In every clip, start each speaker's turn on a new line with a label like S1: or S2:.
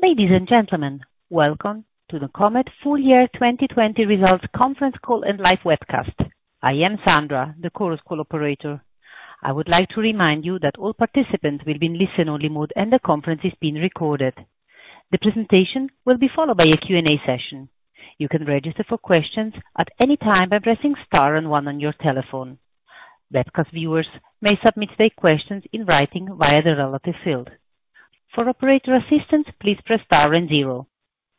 S1: Ladies and gentlemen, welcome to the Comet Full Year 2020 Results Conference Call and live webcast. I am Sandra, the Chorus Call operator. I would like to remind you that all participants will be in listen-only mode, and the conference is being recorded. The presentation will be followed by a Q&A session. You can register for questions at any time by pressing star and one on your telephone. Webcast viewers may submit their questions in writing via the relevant field. For operator assistance, please press star and zero.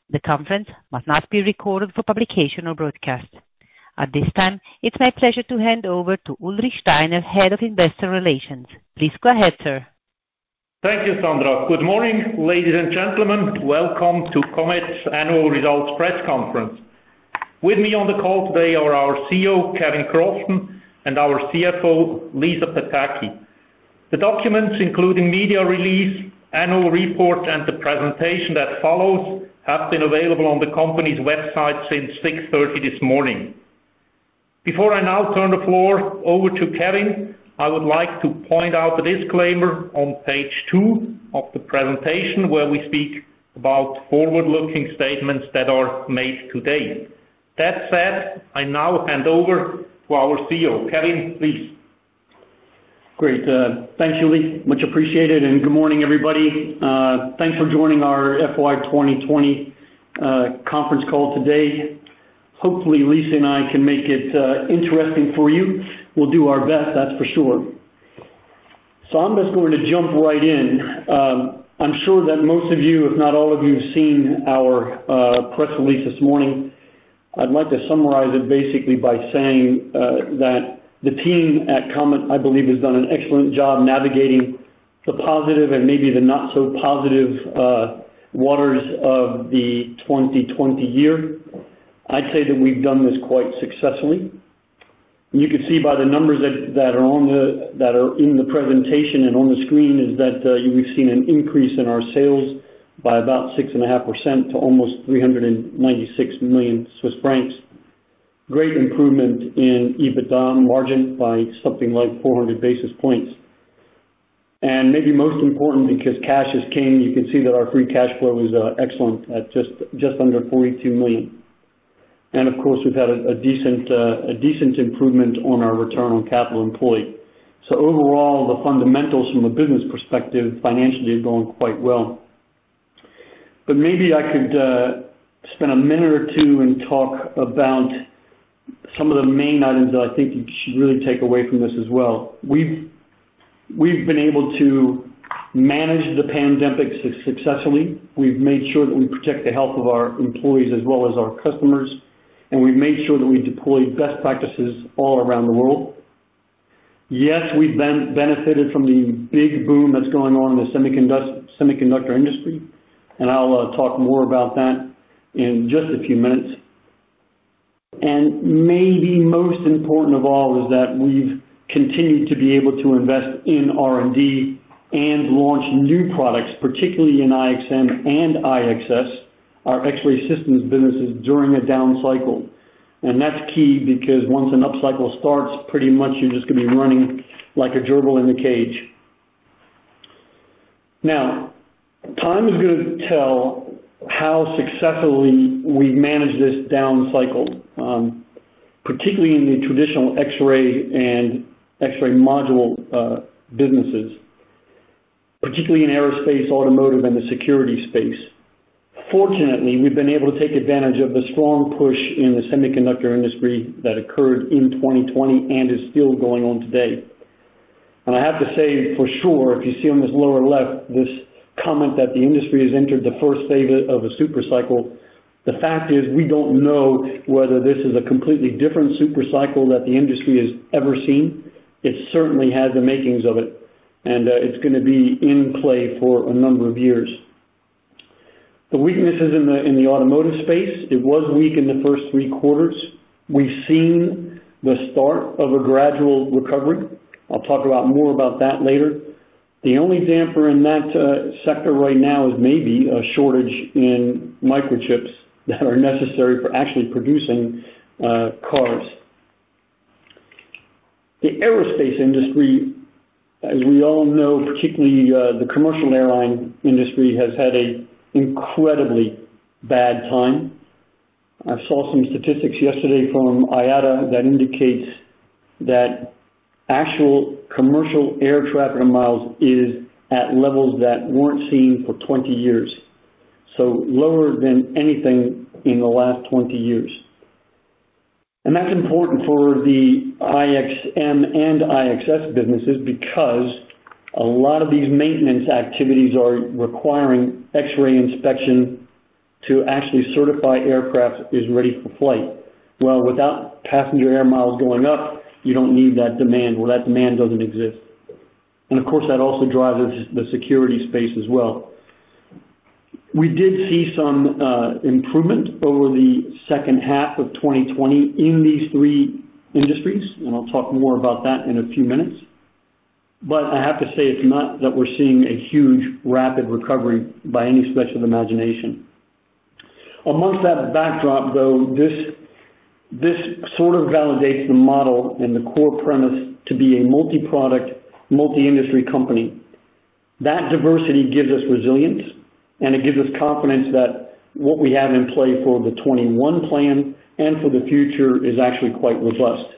S1: The conference must not be recorded for publication or broadcast. At this time, it's my pleasure to hand over to Ulrich Steiner, Head of Investor Relations. Please go ahead, sir.
S2: Thank you, Sandra. Good morning, ladies and gentlemen. Welcome to Comet's Annual Results Press Conference. With me on the call today are our CEO, Kevin Crofton, and our CFO, Lisa Pataki. The documents, including media release, annual report, and the presentation that follows, have been available on the company's website since 6:30 this morning. Before I now turn the floor over to Kevin, I would like to point out the disclaimer on page two of the presentation, where we speak about forward-looking statements that are made today. That said, I now hand over to our CEO. Kevin, please.
S3: Great. Thanks, Uli. Much appreciated, and good morning, everybody. Thanks for joining our FY 2020 conference call today. Hopefully, Lisa and I can make it interesting for you. We'll do our best, that's for sure. I'm just going to jump right in. I'm sure that most of you, if not all of you, have seen our press release this morning. I'd like to summarize it basically by saying that the team at Comet, I believe, has done an excellent job navigating the positive and maybe the not-so-positive waters of the 2020 year. I'd say that we've done this quite successfully. You can see by the numbers that are in the presentation and on the screen is that we've seen an increase in our sales by about 6.5% to almost 396 million Swiss francs. Great improvement in EBITDA margin by something like 400 basis points. Maybe most important, because cash is king, you can see that our free cash flow is excellent at just under 42 million. Of course, we've had a decent improvement on our return on capital employed. Overall, the fundamentals from a business perspective financially are going quite well. Maybe I could spend a minute or two and talk about some of the main items that I think you should really take away from this as well. We've been able to manage the pandemic successfully. We've made sure that we protect the health of our employees as well as our customers, and we've made sure that we deploy best practices all around the world. Yes, we've benefited from the big boom that's going on in the semiconductor industry, and I'll talk more about that in just a few minutes. Maybe most important of all is that we've continued to be able to invest in R&D and launch new products, particularly in IXM and IXS, our X-ray systems businesses, during a down cycle. That's key because once an upcycle starts, pretty much you're just going to be running like a gerbil in a cage. Now, time is going to tell how successfully we manage this down cycle, particularly in the traditional X-ray and X-ray module businesses, particularly in aerospace, automotive, and the security space. Fortunately, we've been able to take advantage of the strong push in the semiconductor industry that occurred in 2020 and is still going on today. I have to say, for sure, if you see on this lower left, this comment that the industry has entered the first phase of a super cycle, the fact is we don't know whether this is a completely different super cycle that the industry has ever seen. It certainly has the makings of it, and it's going to be in play for a number of years. The weaknesses in the automotive space, it was weak in the first three quarters. We've seen the start of a gradual recovery. I'll talk more about that later. The only damper in that sector right now is maybe a shortage in microchips that are necessary for actually producing cars. The aerospace industry, as we all know, particularly the commercial airline industry, has had an incredibly bad time. I saw some statistics yesterday from IATA that indicates that actual commercial air traffic miles is at levels that weren't seen for 20 years, so lower than anything in the last 20 years. That's important for the IXM and IXS businesses because a lot of these maintenance activities are requiring X-ray inspection to actually certify aircraft is ready for flight. Without passenger air miles going up, you don't need that demand. That demand doesn't exist. Of course, that also drives the security space as well. We did see some improvement over the second half of 2020 in these three industries, and I'll talk more about that in a few minutes. I have to say, it's not that we're seeing a huge, rapid recovery by any stretch of the imagination. Amongst that backdrop, though, this sort of validates the model and the core premise to be a multi-product, multi-industry company. That diversity gives us resilience, and it gives us confidence that what we have in play for the 2021 plan and for the future is actually quite robust.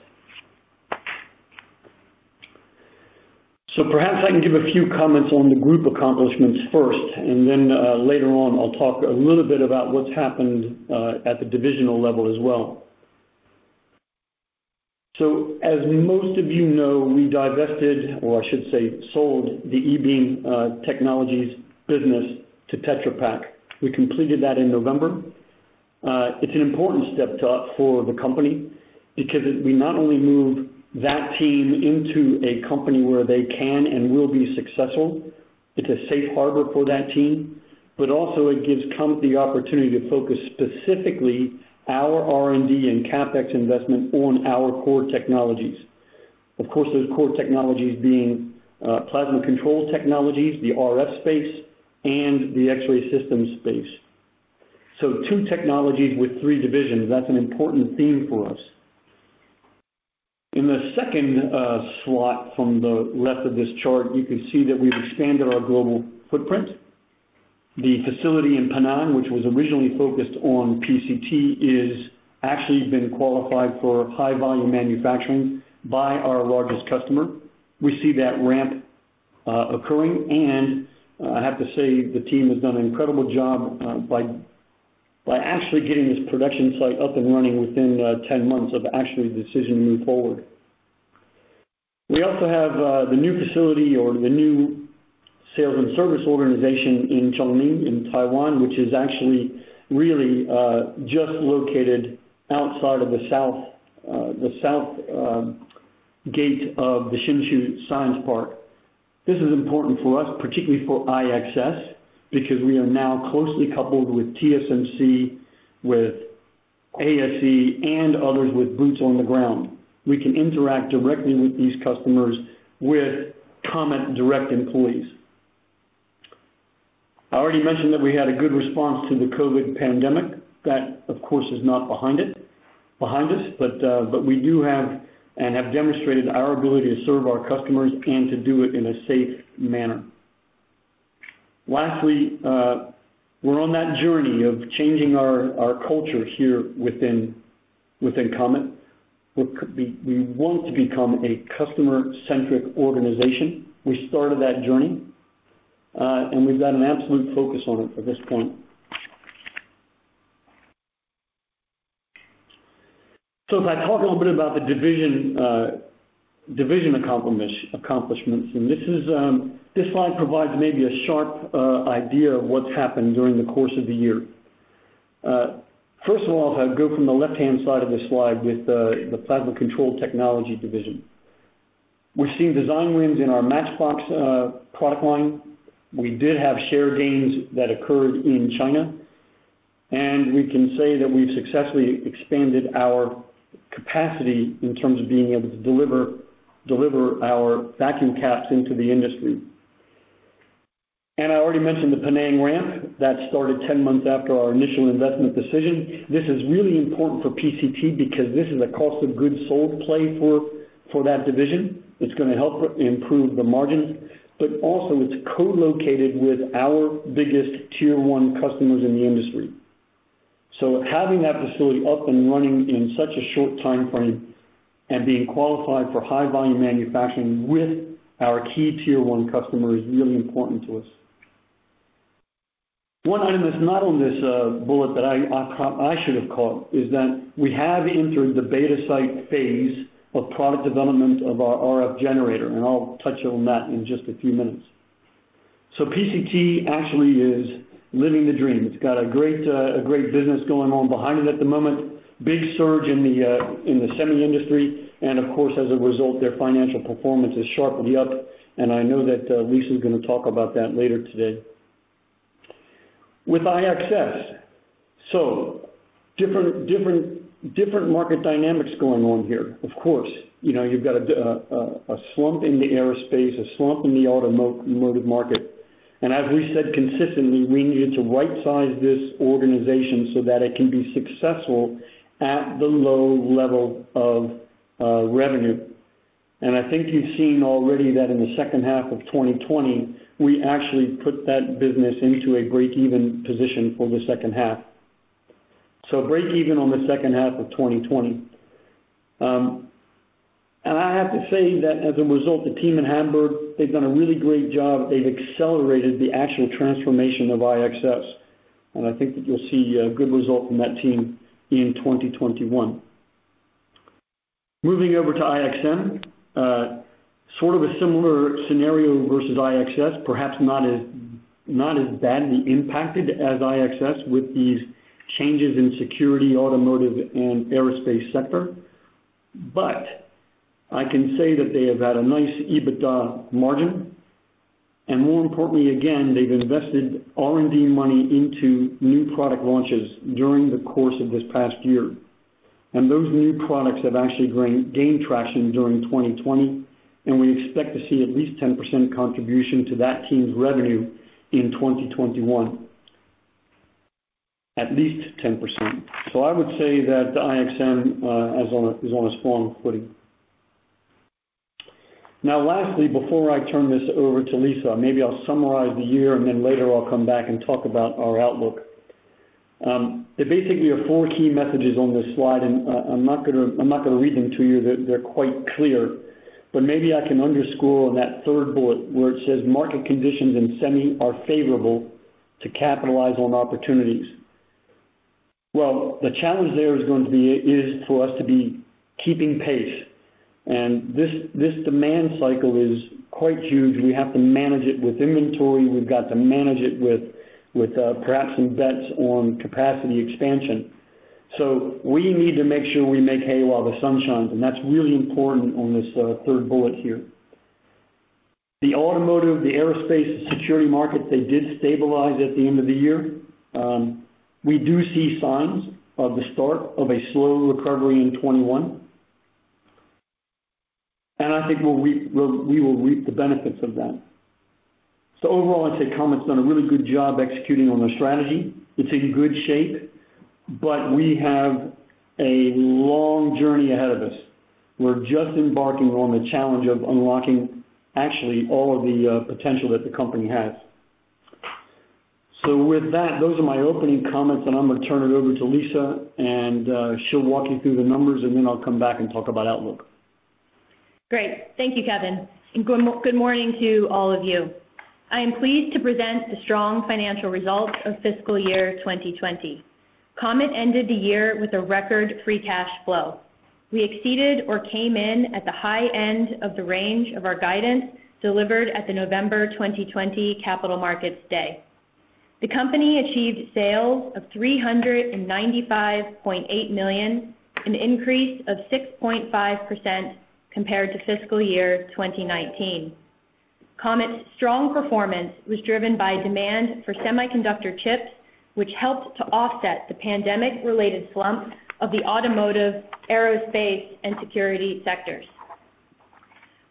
S3: Perhaps I can give a few comments on the group accomplishments first, and then later on, I'll talk a little bit about what's happened at the divisional level as well. As most of you know, we divested, or I should say, sold the ebeam Technologies business to Tetra Pak. We completed that in November. It's an important step for the company, because we not only moved that team into a company where they can and will be successful, it's a safe harbor for that team. Also it gives Comet the opportunity to focus specifically our R&D and CapEx investment on our core technologies. Of course, those core technologies being Plasma Control Technologies, the RF space, and the X-ray systems space. Two technologies with three divisions, that's an important theme for us. In the second slot from the left of this chart, you can see that we've expanded our global footprint. The facility in Penang, which was originally focused on PCT, is actually been qualified for high volume manufacturing by our largest customer. We see that ramp occurring. I have to say, the team has done an incredible job by actually getting this production site up and running within 10 months of actually the decision to move forward. We also have the new facility or the new sales and service organization in Zhongli in Taiwan, which is actually really just located outside of the south gate of the Hsinchu Science Park. This is important for us, particularly for IXS, because we are now closely coupled with TSMC, with ASE, and others with boots on the ground. We can interact directly with these customers with Comet direct employees. I already mentioned that we had a good response to the COVID pandemic. That, of course, is now behind us. We do have, and have demonstrated our ability to serve our customers and to do it in a safe manner. Lastly, we're on that journey of changing our culture here within Comet. We want to become a customer-centric organization. We started that journey, and we've got an absolute focus on it at this point. If I talk a little bit about the division accomplishments, and this slide provides maybe a sharp idea of what's happened during the course of the year. First of all, if I go from the left-hand side of the slide with the Plasma Control Technologies division. We're seeing design wins in our Matchbox product line. We did have share gains that occurred in China, and we can say that we've successfully expanded our capacity in terms of being able to deliver our vacuum capacitors into the industry. I already mentioned the Penang ramp. That started 10 months after our initial investment decision. This is really important for PCT because this is a cost of goods sold play for that division. Also, it's co-located with our biggest tier 1 customers in the industry. Having that facility up and running in such a short timeframe and being qualified for high volume manufacturing with our key tier 1 customer is really important to us. One item that's not on this bullet that I should have caught is that we have entered the beta site phase of product development of our RF generator. I'll touch on that in just a few minutes. PCT actually is living the dream. It's got a great business going on behind it at the moment, big surge in the semi industry. Of course, as a result, their financial performance is sharply up. I know that Lisa's going to talk about that later today. With IXS, different market dynamics going on here, of course. You've got a slump in the aerospace, a slump in the automotive market. As we said consistently, we needed to right-size this organization so that it can be successful at the low level of revenue. I think you've seen already that in the second half of 2020, we actually put that business into a break-even position for the second half. Break-even on the second half of 2020. I have to say that as a result, the team in Hamburg, they've done a really great job. They've accelerated the actual transformation of IXS, and I think that you'll see a good result from that team in 2021. Moving over to IXM, sort of a similar scenario versus IXS, perhaps not as badly impacted as IXS with these changes in security, automotive, and aerospace sector. I can say that they have had a nice EBITDA margin, and more importantly, again, they've invested R&D money into new product launches during the course of this past year. Those new products have actually gained traction during 2020, and we expect to see at least 10% contribution to that team's revenue in 2021. At least 10%. I would say that the IXM is on a strong footing. Lastly, before I turn this over to Lisa, maybe I'll summarize the year, later I'll come back and talk about our outlook. There basically are four key messages on this slide, I'm not going to read them to you. They're quite clear. Maybe I can underscore on that third bullet, where it says market conditions in semi are favorable to capitalize on opportunities. The challenge there is going to be for us to be keeping pace. This demand cycle is quite huge. We have to manage it with inventory. We've got to manage it with perhaps some bets on capacity expansion. We need to make sure we make hay while the sun shines, and that's really important on this third bullet here. The automotive, the aerospace, and security market, they did stabilize at the end of the year. We do see signs of the start of a slow recovery in 2021. I think we will reap the benefits of that. Overall, I'd say Comet's done a really good job executing on the strategy. It's in good shape, but we have a long journey ahead of us. We're just embarking on the challenge of unlocking actually all of the potential that the company has. With that, those are my opening comments, and I'm going to turn it over to Lisa, and she'll walk you through the numbers, and then I'll come back and talk about outlook.
S4: Great. Thank you, Kevin. Good morning to all of you. I am pleased to present the strong financial results of fiscal year 2020. Comet ended the year with a record free cash flow. We exceeded or came in at the high end of the range of our guidance delivered at the November 2020 Capital Markets Day. The company achieved sales of 395.8 million, an increase of 6.5% compared to fiscal year 2019. Comet's strong performance was driven by demand for semiconductor chips, which helped to offset the pandemic-related slump of the automotive, aerospace, and security sectors.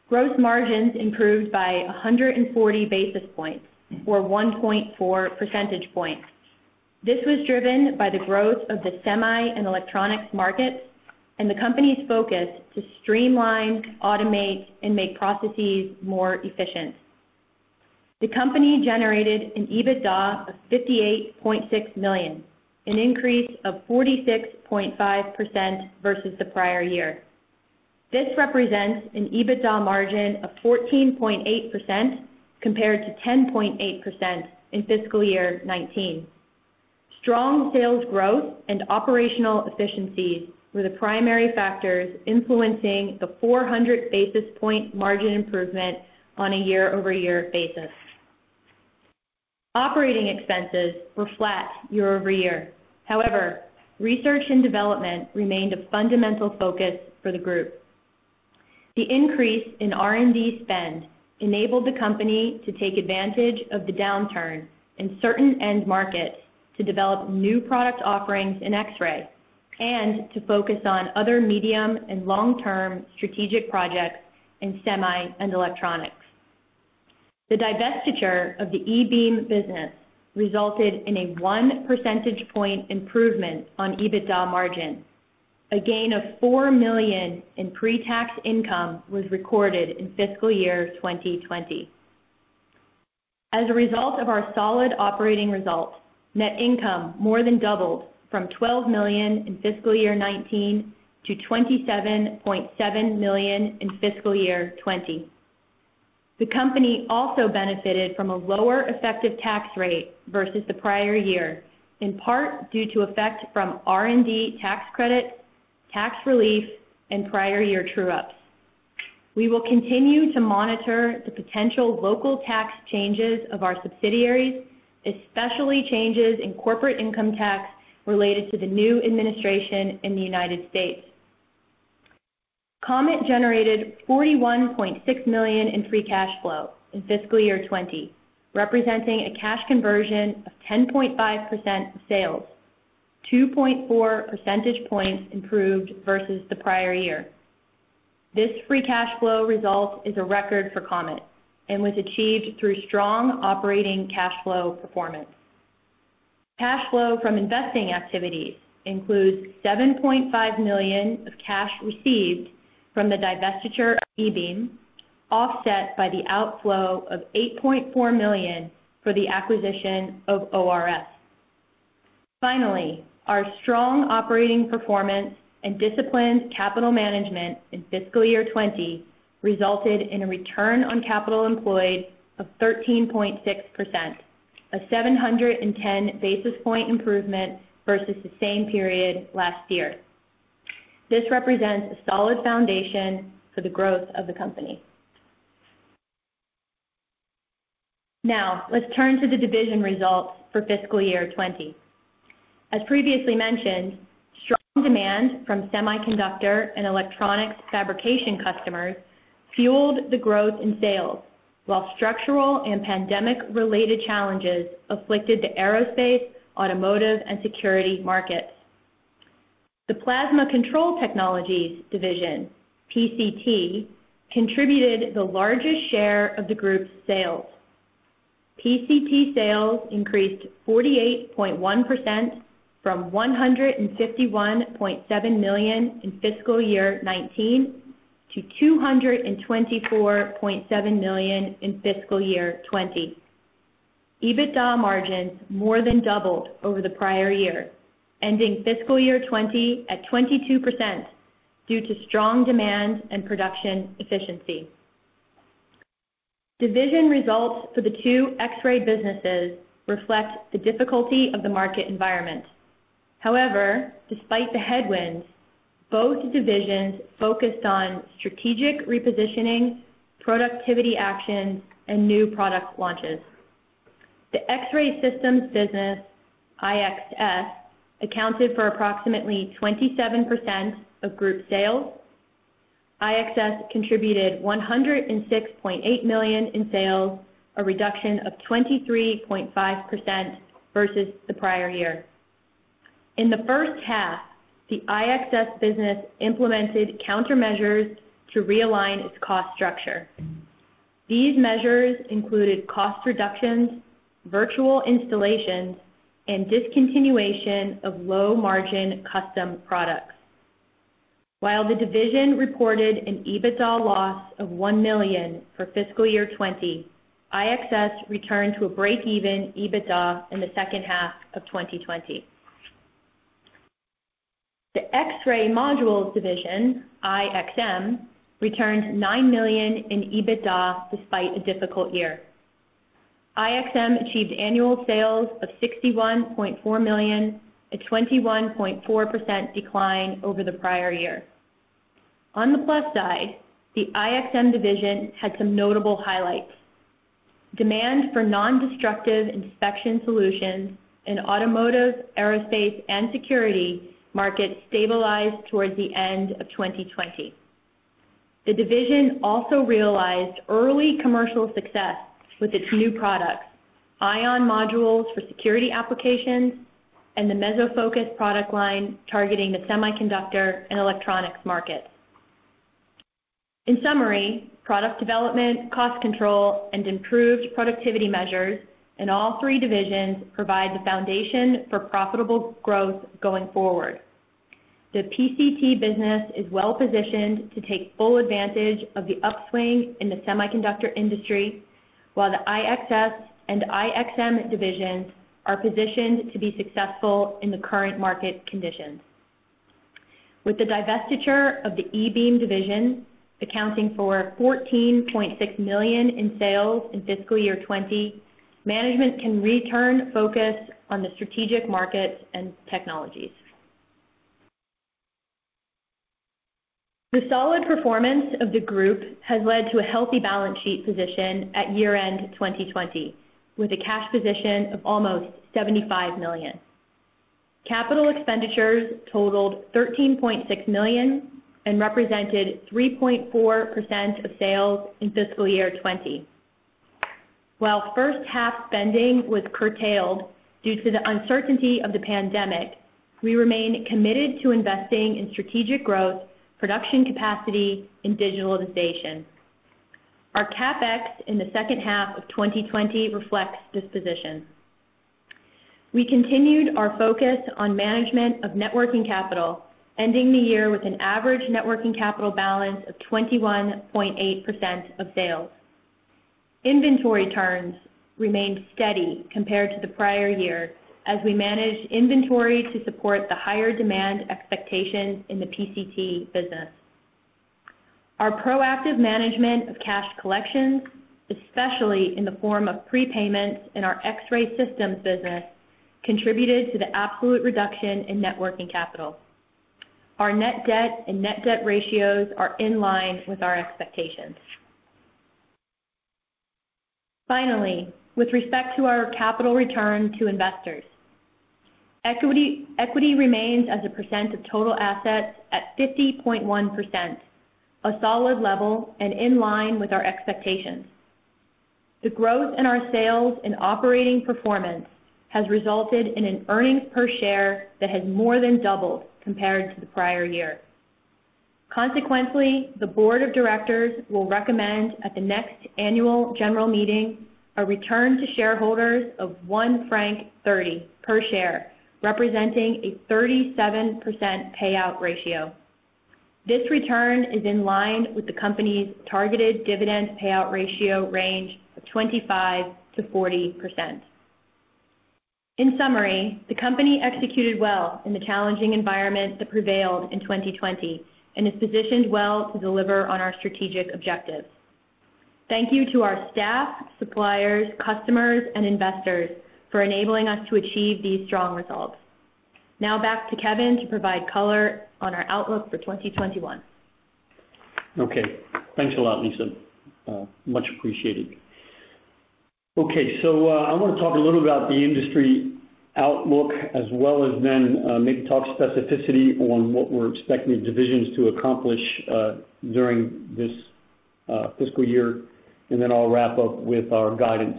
S4: Gross margins improved by 140 basis points, or 1.4 percentage points. This was driven by the growth of the semi and electronics market and the company's focus to streamline, automate, and make processes more efficient. The company generated an EBITDA of 58.6 million, an increase of 46.5% versus the prior year. This represents an EBITDA margin of 14.8% compared to 10.8% in fiscal year 2019. Strong sales growth and operational efficiencies were the primary factors influencing the 400 basis point margin improvement on a year-over-year basis. Operating expenses were flat year-over-year. However, research and development remained a fundamental focus for the group. The increase in R&D spend enabled the company to take advantage of the downturn in certain end markets to develop new product offerings in X-Ray and to focus on other medium and long-term strategic projects in semi and electronics. The divestiture of the ebeam business resulted in a one percentage point improvement on EBITDA margin. A gain of 4 million in pre-tax income was recorded in fiscal year 2020. As a result of our solid operating results, net income more than doubled from 12 million in fiscal year 2019 to 27.7 million in fiscal year 2020. The company also benefited from a lower effective tax rate versus the prior year, in part due to effect from R&D tax credit, tax relief, and prior year true-ups. We will continue to monitor the potential local tax changes of our subsidiaries, especially changes in corporate income tax related to the new administration in the United States. Comet generated 41.6 million in free cash flow in fiscal year 2020, representing a cash conversion of 10.5% of sales, 2.4 percentage points improved versus the prior year. This free cash flow result is a record for Comet and was achieved through strong operating cash flow performance. Cash flow from investing activities includes 7.5 million of cash received from the divestiture of ebeam, offset by the outflow of 8.4 million for the acquisition of ORS. Finally, our strong operating performance and disciplined capital management in fiscal year 2020 resulted in a return on capital employed of 13.6%, a 710 basis point improvement versus the same period last year. This represents a solid foundation for the growth of the company. Let's turn to the division results for fiscal year 2020. As previously mentioned, strong demand from semiconductor and electronics fabrication customers fueled the growth in sales, while structural and pandemic-related challenges afflicted the aerospace, automotive, and security markets. The Plasma Control Technologies division, PCT, contributed the largest share of the group's sales. PCT sales increased 48.1% from 151.7 million in fiscal year 2019 to 224.7 million in fiscal year 2020. EBITDA margins more than doubled over the prior year, ending fiscal year 2020 at 22% due to strong demand and production efficiency. Division results for the two X-ray businesses reflect the difficulty of the market environment. However, despite the headwinds, both divisions focused on strategic repositioning, productivity actions, and new product launches. The X-ray systems business, IXS, accounted for approximately 27% of group sales. IXS contributed 106.8 million in sales, a reduction of 23.5% versus the prior year. In the first half, the IXS business implemented countermeasures to realign its cost structure. These measures included cost reductions, virtual installations, and discontinuation of low-margin custom products. While the division reported an EBITDA loss of 1 million for fiscal year 2020, IXS returned to a breakeven EBITDA in the second half of 2020. The X-ray modules division, IXM, returned 9 million in EBITDA despite a difficult year. IXM achieved annual sales of 61.4 million, a 21.4% decline over the prior year. On the plus side, the IXM division had some notable highlights. Demand for non-destructive inspection solutions in automotive, aerospace, and security markets stabilized towards the end of 2020. The division also realized early commercial success with its new products, ION modules for security applications, and the MesoFocus product line targeting the semiconductor and electronics markets. In summary, product development, cost control, and improved productivity measures in all three divisions provide the foundation for profitable growth going forward. The PCT business is well-positioned to take full advantage of the upswing in the semiconductor industry, while the IXS and IXM divisions are positioned to be successful in the current market conditions. With the divestiture of the ebeam division accounting for 14.6 million in sales in fiscal year 2020, management can return focus on the strategic markets and technologies. The solid performance of the group has led to a healthy balance sheet position at year-end 2020, with a cash position of almost 75 million. Capital expenditures totaled 13.6 million and represented 3.4% of sales in fiscal year 2020. While first half spending was curtailed due to the uncertainty of the pandemic, we remain committed to investing in strategic growth, production capacity, and digitalization. Our CapEx in the second half of 2020 reflects this position. We continued our focus on management of net working capital, ending the year with an average net working capital balance of 21.8% of sales. Inventory turns remained steady compared to the prior year, as we managed inventory to support the higher demand expectations in the PCT business. Our proactive management of cash collections, especially in the form of prepayments in our X-ray systems business, contributed to the absolute reduction in net working capital. Our net debt and net debt ratios are in line with our expectations. Finally, with respect to our capital return to investors, equity remains as a percent of total assets at 50.1%, a solid level and in line with our expectations. The growth in our sales and operating performance has resulted in an earnings per share that has more than doubled compared to the prior year. Consequently, the board of directors will recommend at the next annual general meeting a return to shareholders of 1.30 franc per share, representing a 37% payout ratio. This return is in line with the company's targeted dividend payout ratio range of 25%-40%. In summary, the company executed well in the challenging environment that prevailed in 2020 and is positioned well to deliver on our strategic objectives. Thank you to our staff, suppliers, customers, and investors for enabling us to achieve these strong results. Now back to Kevin to provide color on our outlook for 2021.
S3: Okay. Thanks a lot, Lisa. Much appreciated. Okay. I want to talk a little about the industry outlook, as well as then maybe talk specificity on what we're expecting the divisions to accomplish during this fiscal year, and then I'll wrap up with our guidance.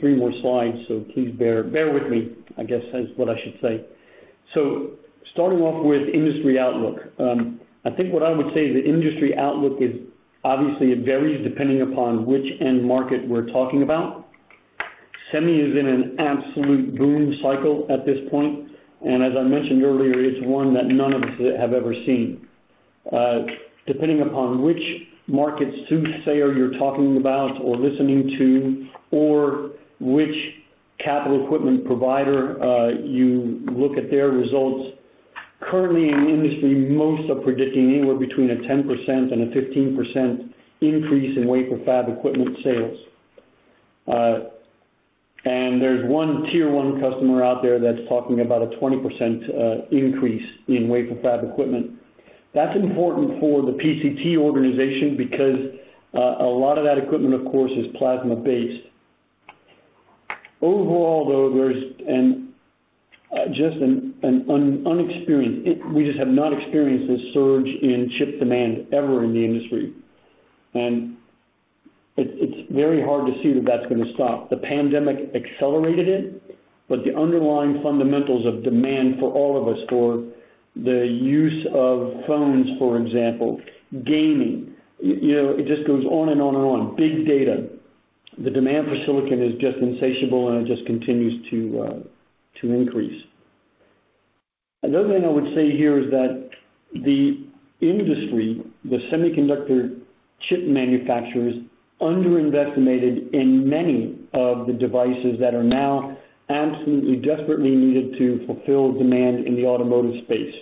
S3: Three more slides, so please bear with me, I guess is what I should say. Starting off with industry outlook. I think what I would say the industry outlook obviously varies depending upon which end market we're talking about. Semi is in an absolute boom cycle at this point, and as I mentioned earlier, it's one that none of us have ever seen. Depending upon which market soothsayer you're talking about or listening to, or which capital equipment provider you look at their results, currently in the industry, most are predicting anywhere between a 10% and a 15% increase in wafer fab equipment sales. There's one tier 1 customer out there that's talking about a 20% increase in wafer fab equipment. That's important for the PCT organization because a lot of that equipment, of course, is plasma-based. Overall, though, we just have not experienced this surge in chip demand ever in the industry. It's very hard to see that that's going to stop. The pandemic accelerated it, but the underlying fundamentals of demand for all of us, for the use of phones, for example, gaming, it just goes on and on and on. Big data. The demand for silicon is just insatiable, and it just continues to increase. Another thing I would say here is that the industry, the semiconductor chip manufacturers, underestimated in many of the devices that are now absolutely desperately needed to fulfill demand in the automotive space.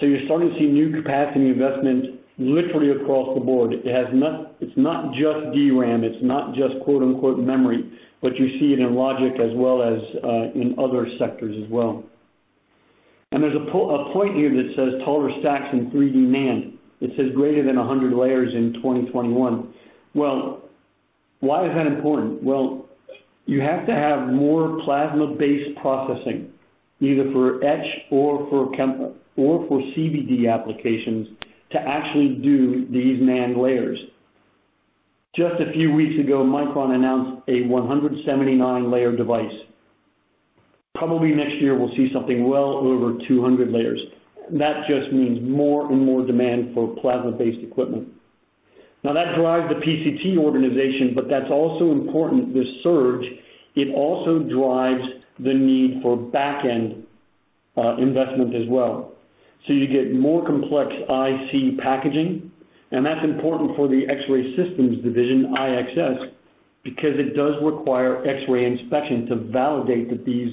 S3: You're starting to see new capacity investment literally across the board. It's not just DRAM, it's not just, quote-unquote, memory. You see it in logic as well as in other sectors as well. There's a point here that says taller stacks in 3D NAND. It says greater than 100 layers in 2021. Well, why is that important? Well, you have to have more plasma-based processing, either for etch or for CVD applications, to actually do these NAND layers. Just a few weeks ago, Micron announced a 179-layer device. Probably next year, we'll see something well over 200 layers. That just means more and more demand for plasma-based equipment. Now that drives the PCT organization, but that's also important, this surge, it also drives the need for back-end investment as well. You get more complex IC packaging, and that's important for the X-ray systems division, IXS, because it does require X-ray inspection to validate that these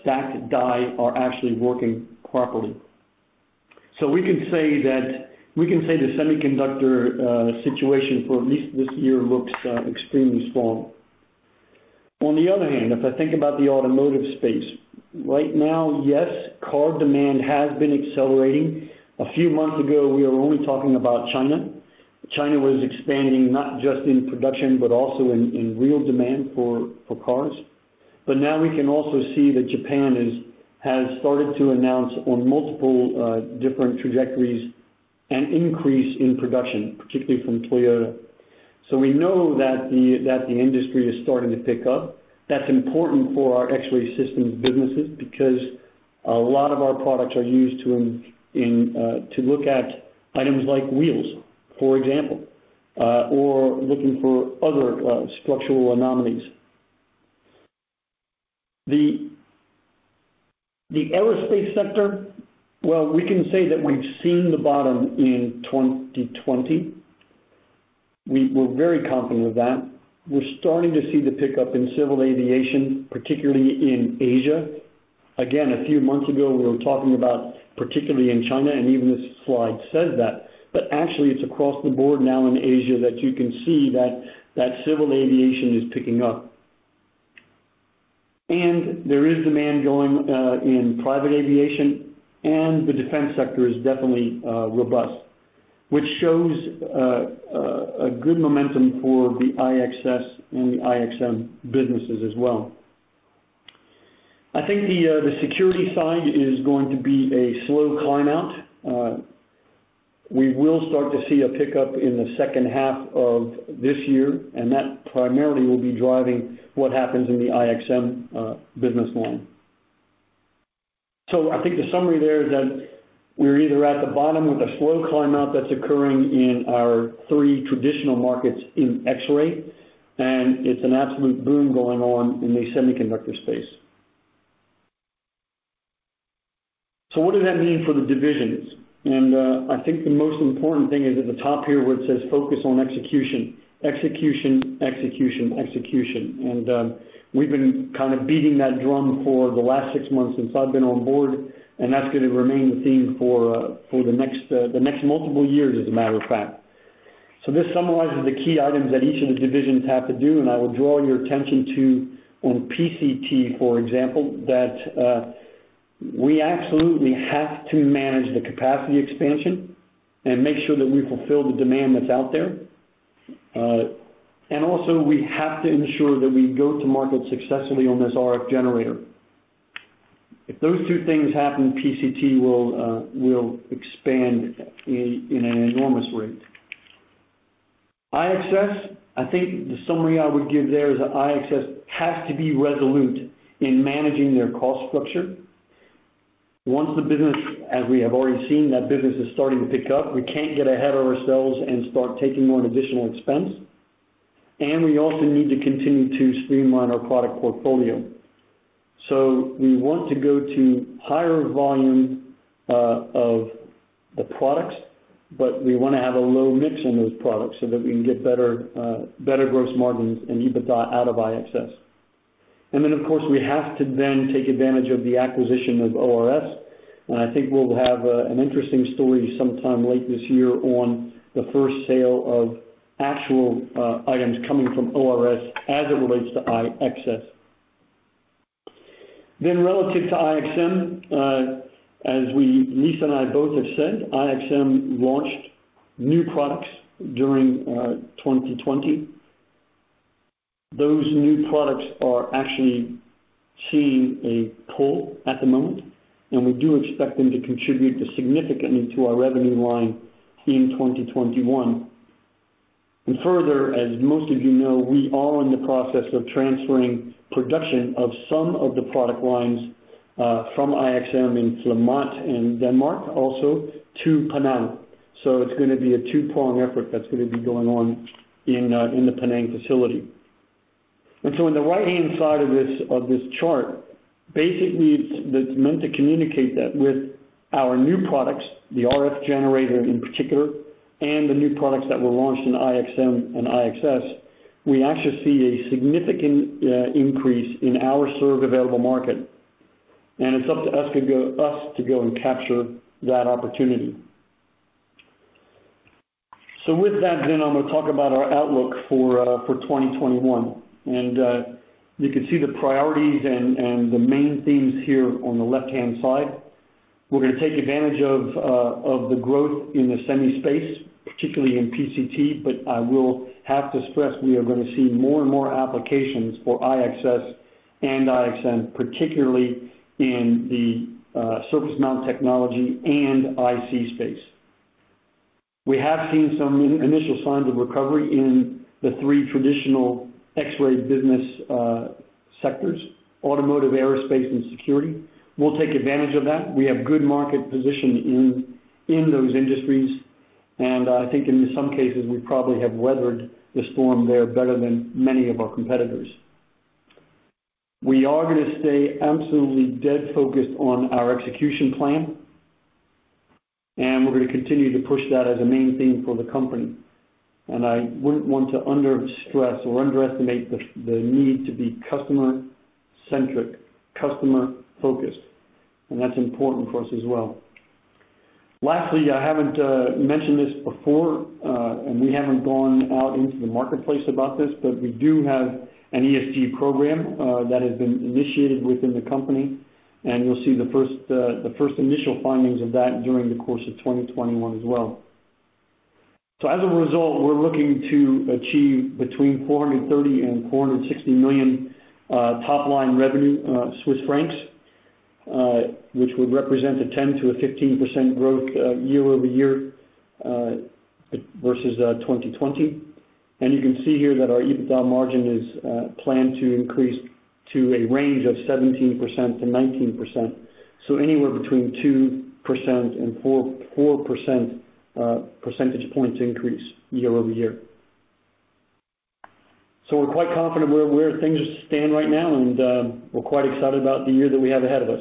S3: stacked die are actually working properly. We can say the semiconductor situation for at least this year looks extremely strong. On the other hand, if I think about the automotive space, right now, yes, car demand has been accelerating. A few months ago, we were only talking about China. China was expanding not just in production, but also in real demand for cars. Now we can also see that Japan has started to announce on multiple different trajectories an increase in production, particularly from Toyota. We know that the industry is starting to pick up. That's important for our X-Ray systems businesses, because a lot of our products are used to look at items like wheels, for example, or looking for other structural anomalies. The aerospace sector, well, we can say that we've seen the bottom in 2020. We're very confident of that. We're starting to see the pickup in civil aviation, particularly in Asia. A few months ago, we were talking about particularly in China, and even this slide says that. Actually it's across the board now in Asia that you can see that civil aviation is picking up. There is demand going in private aviation, and the defense sector is definitely robust, which shows a good momentum for the IXS and the IXM businesses as well. I think the security side is going to be a slow climb out. We will start to see a pickup in the second half of this year, and that primarily will be driving what happens in the IXM business line. I think the summary there is that we're either at the bottom with a slow climb out that's occurring in our three traditional markets in X-ray, and it's an absolute boom going on in the semiconductor space. What does that mean for the divisions? I think the most important thing is at the top here where it says focus on execution. Execution, execution. We've been kind of beating that drum for the last six months since I've been on board, and that's going to remain the theme for the next multiple years, as a matter of fact. This summarizes the key items that each of the divisions have to do, I will draw your attention to on PCT, for example, that we absolutely have to manage the capacity expansion. Make sure that we fulfill the demand that's out there. Also we have to ensure that we go to market successfully on this RF generator. If those two things happen, PCT will expand in an enormous rate. IXS, I think the summary I would give there is that IXS has to be resolute in managing their cost structure. Once the business, as we have already seen, that business is starting to pick up, we can't get ahead of ourselves and start taking on additional expense. We also need to continue to streamline our product portfolio. We want to go to higher volume of the products, but we want to have a low mix on those products so that we can get better gross margins and EBITDA out of IXS. Of course, we have to then take advantage of the acquisition of ORS. I think we'll have an interesting story sometime late this year on the first sale of actual items coming from ORS as it relates to IXS. Relative to IXM, as Lisa and I both have said, IXM launched new products during 2020. Those new products are actually seeing a pull at the moment, and we do expect them to contribute significantly to our revenue line in 2021. Further, as most of you know, we are in the process of transferring production of some of the product lines from IXM in Flamatt and Denmark, also to Penang. It's going to be a two-prong effort that's going to be going on in the Penang facility. On the right-hand side of this chart, basically, that's meant to communicate that with our new products, the RF generator in particular, and the new products that were launched in IXM and IXS, we actually see a significant increase in our served available market. It's up to us to go and capture that opportunity. With that, I'm going to talk about our outlook for 2021. You can see the priorities and the main themes here on the left-hand side. We're going to take advantage of the growth in the semi space, particularly in PCT, but I will have to stress we are going to see more and more applications for IXS and IXM, particularly in the surface mount technology and IC space. We have seen some initial signs of recovery in the three traditional X-Ray business sectors, automotive, aerospace, and security. We'll take advantage of that. We have good market position in those industries, and I think in some cases, we probably have weathered the storm there better than many of our competitors. We are going to stay absolutely dead focused on our execution plan, and we're going to continue to push that as a main theme for the company. I wouldn't want to under-stress or underestimate the need to be customer-centric, customer-focused, and that's important for us as well. Lastly, I haven't mentioned this before, and we haven't gone out into the marketplace about this, but we do have an ESG program that has been initiated within the company. You'll see the first initial findings of that during the course of 2021 as well. As a result, we're looking to achieve between 430 million and 460 million top-line revenue, which would represent a 10%-15% growth year-over-year versus 2020. You can see here that our EBITDA margin is planned to increase to a range of 17%-19%, so anywhere between 2% and 4% percentage points increase year-over-year. We're quite confident where things stand right now, and we're quite excited about the year that we have ahead of us.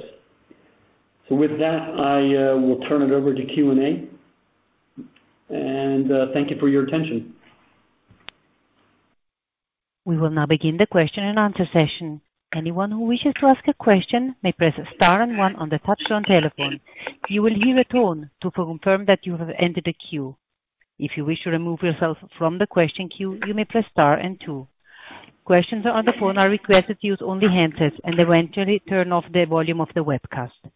S3: With that, I will turn it over to Q&A, and thank you for your attention.
S1: We will now begin the question and answer session. Anyone who wishes to ask a question may press star and one on the touch tone telephone. You will hear a tone to confirm that you have entered the queue. If you wish to remove yourself from the question queue, you may press star and two. Questions on the phone are requested to use only handsets and eventually turn off the volume of the webcast.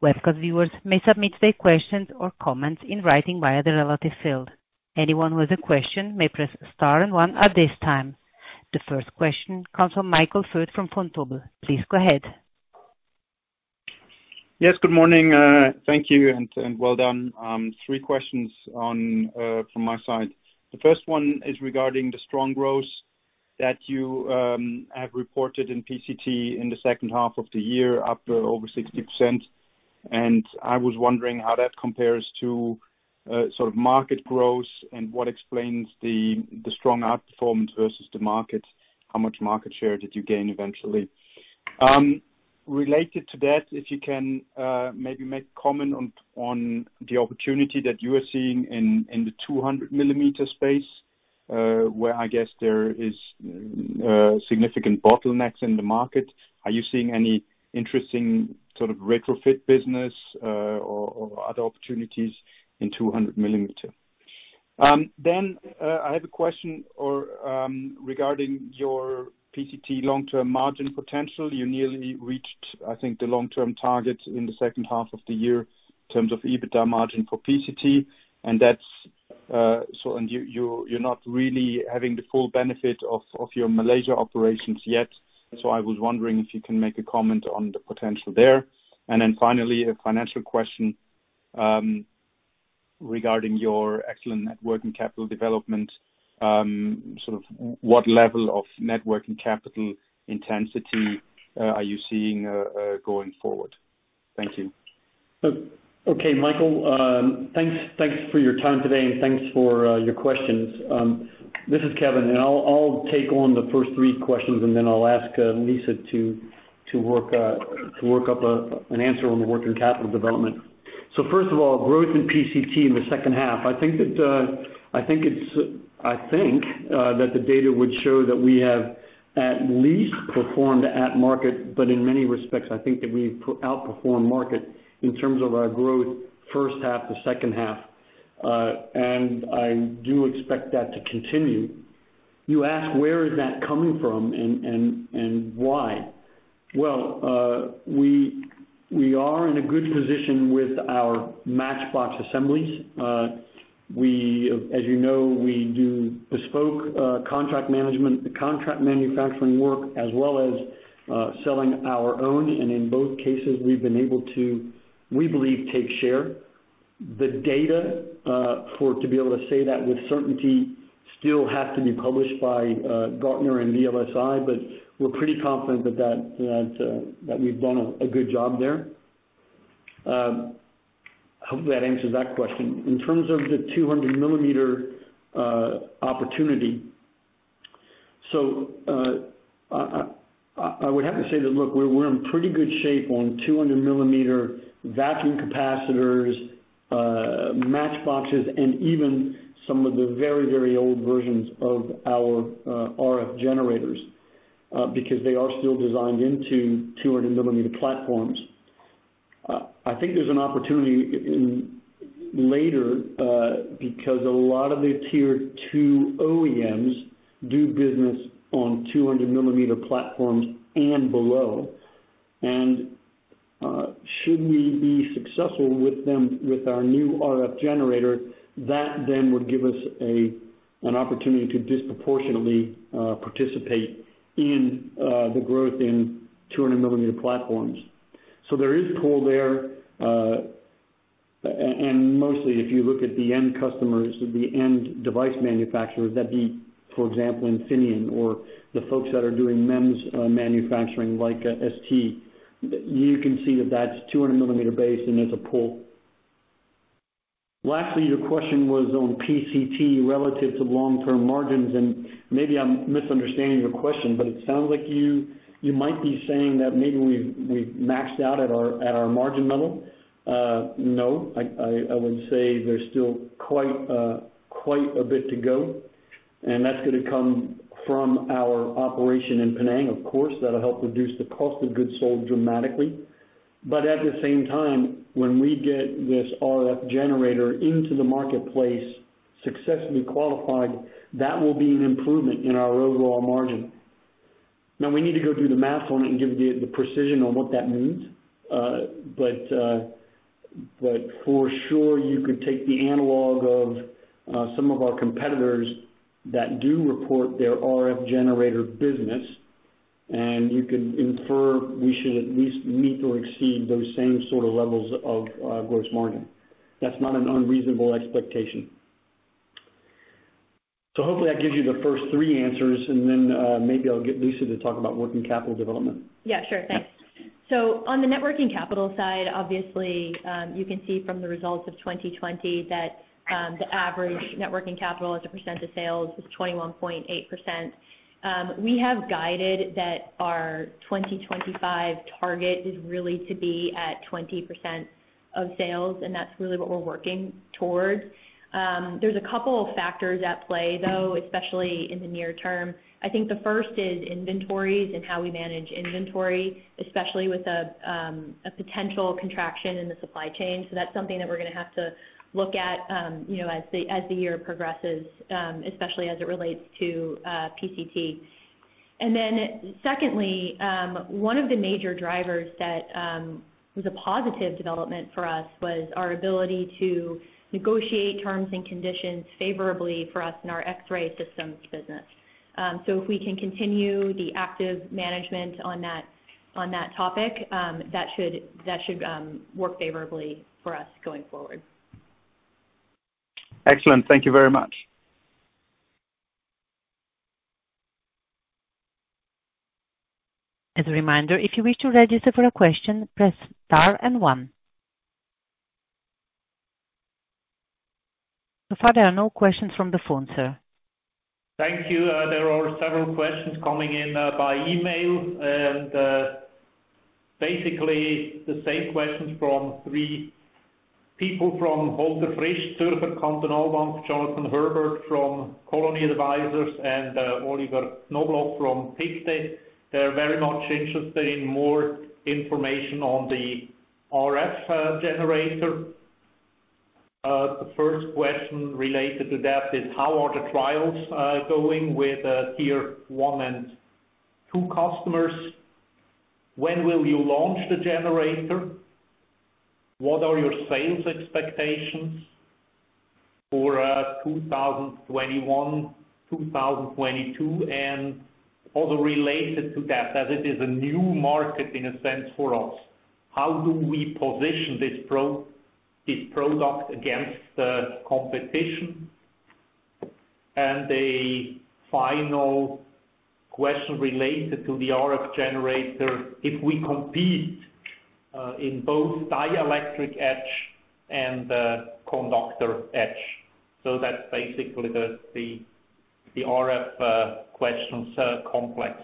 S1: Webcast viewers may submit their questions or comments in writing via the relative field. Anyone with a question may press star and one at this time. The first question comes from Michael Foeth from Vontobel. Please go ahead.
S5: Yes, good morning. Thank you. Well done. Three questions from my side. The first one is regarding the strong growth that you have reported in PCT in the second half of the year, up over 60%. I was wondering how that compares to sort of market growth and what explains the strong outperformance versus the market. How much market share did you gain eventually? Related to that, if you can maybe make comment on the opportunity that you are seeing in the 200-millimeter space, where I guess there is significant bottlenecks in the market. Are you seeing any interesting sort of retrofit business or other opportunities in 200 millimeters? I have a question regarding your PCT long-term margin potential. You nearly reached, I think, the long-term target in the second half of the year in terms of EBITDA margin for PCT, and you're not really having the full benefit of your Malaysia operations yet. I was wondering if you can make a comment on the potential there. Finally, a financial question regarding your excellent net working capital development. What level of net working capital intensity are you seeing going forward? Thank you.
S3: Okay, Michael. Thanks for your time today, and thanks for your questions. This is Kevin, and I'll take on the first three questions, and then I'll ask Lisa to work up an answer on the working capital development. First of all, growth in PCT in the second half. I think that the data would show that we have at least performed at market, but in many respects, I think that we've outperformed market in terms of our growth first half to second half. I do expect that to continue. You ask, where is that coming from and why? Well, we are in a good position with our matchbox assemblies. As you know, we do bespoke contract management, contract manufacturing work, as well as selling our own. In both cases, we've been able to, we believe, take share. The data to be able to say that with certainty still has to be published by Gartner and VLSI, but we're pretty confident that we've done a good job there. I hope that answers that question. In terms of the 200 millimeter opportunity, I would have to say that, look, we're in pretty good shape on 200 millimeter vacuum capacitors, matchbox assemblies, and even some of the very old versions of our RF generators, because they are still designed into 200 millimeter platforms. I think there's an opportunity later, because a lot of the tier 2 OEMs do business on 200 millimeter platforms and below. Should we be successful with them with our new RF generator, that then would give us an opportunity to disproportionately participate in the growth in 200 millimeter platforms. There is pull there, and mostly, if you look at the end customers or the end device manufacturers, that'd be, for example, Infineon or the folks that are doing MEMS manufacturing like ST. You can see that that's 200 millimeter base, and there's a pull. Lastly, your question was on PCT relative to long-term margins, and maybe I'm misunderstanding your question, but it sounds like you might be saying that maybe we've maxed out at our margin level. No, I would say there's still quite a bit to go, and that's going to come from our operation in Penang, of course. That'll help reduce the cost of goods sold dramatically. At the same time, when we get this RF generator into the marketplace successfully qualified, that will be an improvement in our overall margin. We need to go do the math on it and give the precision on what that means. For sure, you could take the analog of some of our competitors that do report their RF generator business, and you can infer we should at least meet or exceed those same sort of levels of gross margin. That's not an unreasonable expectation. Hopefully, that gives you the first three answers, and then maybe I'll get Lisa to talk about working capital development.
S4: Yeah, sure. Thanks. On the net working capital side, obviously, you can see from the results of 2020 that the average net working capital as a percent of sales is 21.8%. We have guided that our 2025 target is really to be at 20% of sales, and that's really what we're working toward. There's a couple of factors at play, though, especially in the near term. I think the first is inventories and how we manage inventory, especially with a potential contraction in the supply chain. That's something that we're going to have to look at as the year progresses, especially as it relates to PCT. Secondly, one of the major drivers that was a positive development for us was our ability to negotiate terms and conditions favorably for us in our X-Ray systems business. If we can continue the active management on that topic, that should work favorably for us going forward.
S5: Excellent. Thank you very much.
S1: As a reminder, if you wish to register for a question, press star and one. So far, there are no questions from the phone, sir.
S2: Thank you. There are several questions coming in by email. Basically the same questions from three people. From Holger Frisch, Zürcher Kantonalbank, Jonathan Herbert from Cologny Advisors, Oliver Knobloch from Pictet. They're very much interested in more information on the RF generator. The first question related to that is how are the trials going with tier 1 and 2 customers? When will you launch the generator? What are your sales expectations for 2021, 2022? Also related to that, as it is a new market, in a sense, for us, how do we position this product against competition? A final question related to the RF generator, if we compete in both dielectric etch and conductor etch. That's basically the RF question complex.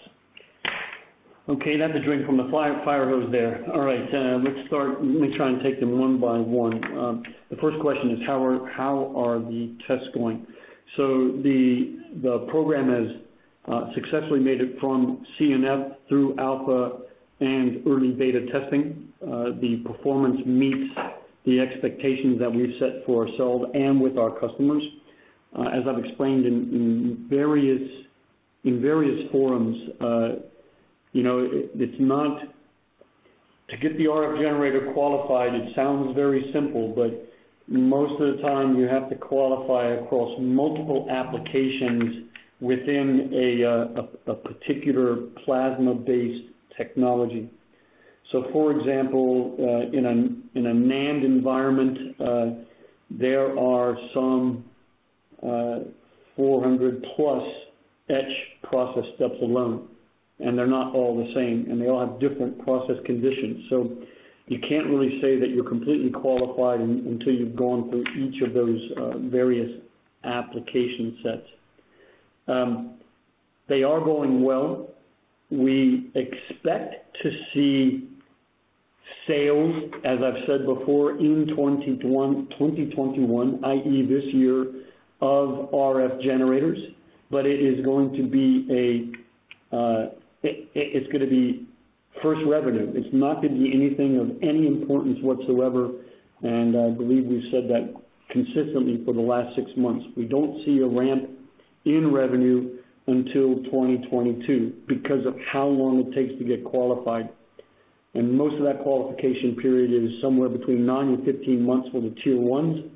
S3: That's a drink from the fire hose there. All right. Let's start. Let me try and take them one by one. The first question is how are the tests going? The program has successfully made it from CNF through alpha and early beta testing. The performance meets the expectations that we've set for ourselves and with our customers. As I've explained in various forums, to get the RF generator qualified, it sounds very simple, but most of the time, you have to qualify across multiple applications within a particular plasma-based technology. For example, in a NAND environment, there are some 400+ etch process steps alone, and they're not all the same, and they all have different process conditions. You can't really say that you're completely qualified until you've gone through each of those various application sets. They are going well. We expect to see sales, as I've said before, in 2021, i.e., this year, of RF generators. It is going to be first revenue. It's not going to be anything of any importance whatsoever, and I believe we've said that consistently for the last six months. We don't see a ramp in revenue until 2022 because of how long it takes to get qualified, and most of that qualification period is somewhere between nine and 15 months for the tier 1s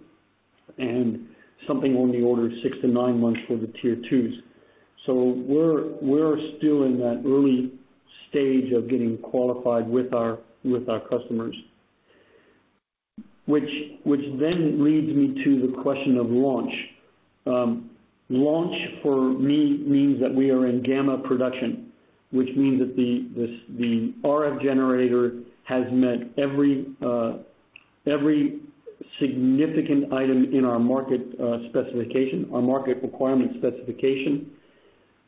S3: and something on the order of six to nine months for the tier 2s. We're still in that early stage of getting qualified with our customers. Which leads me to the question of launch. Launch for me means that we are in gamma production, which means that the RF generator has met every significant item in our market specification, our market requirement specification.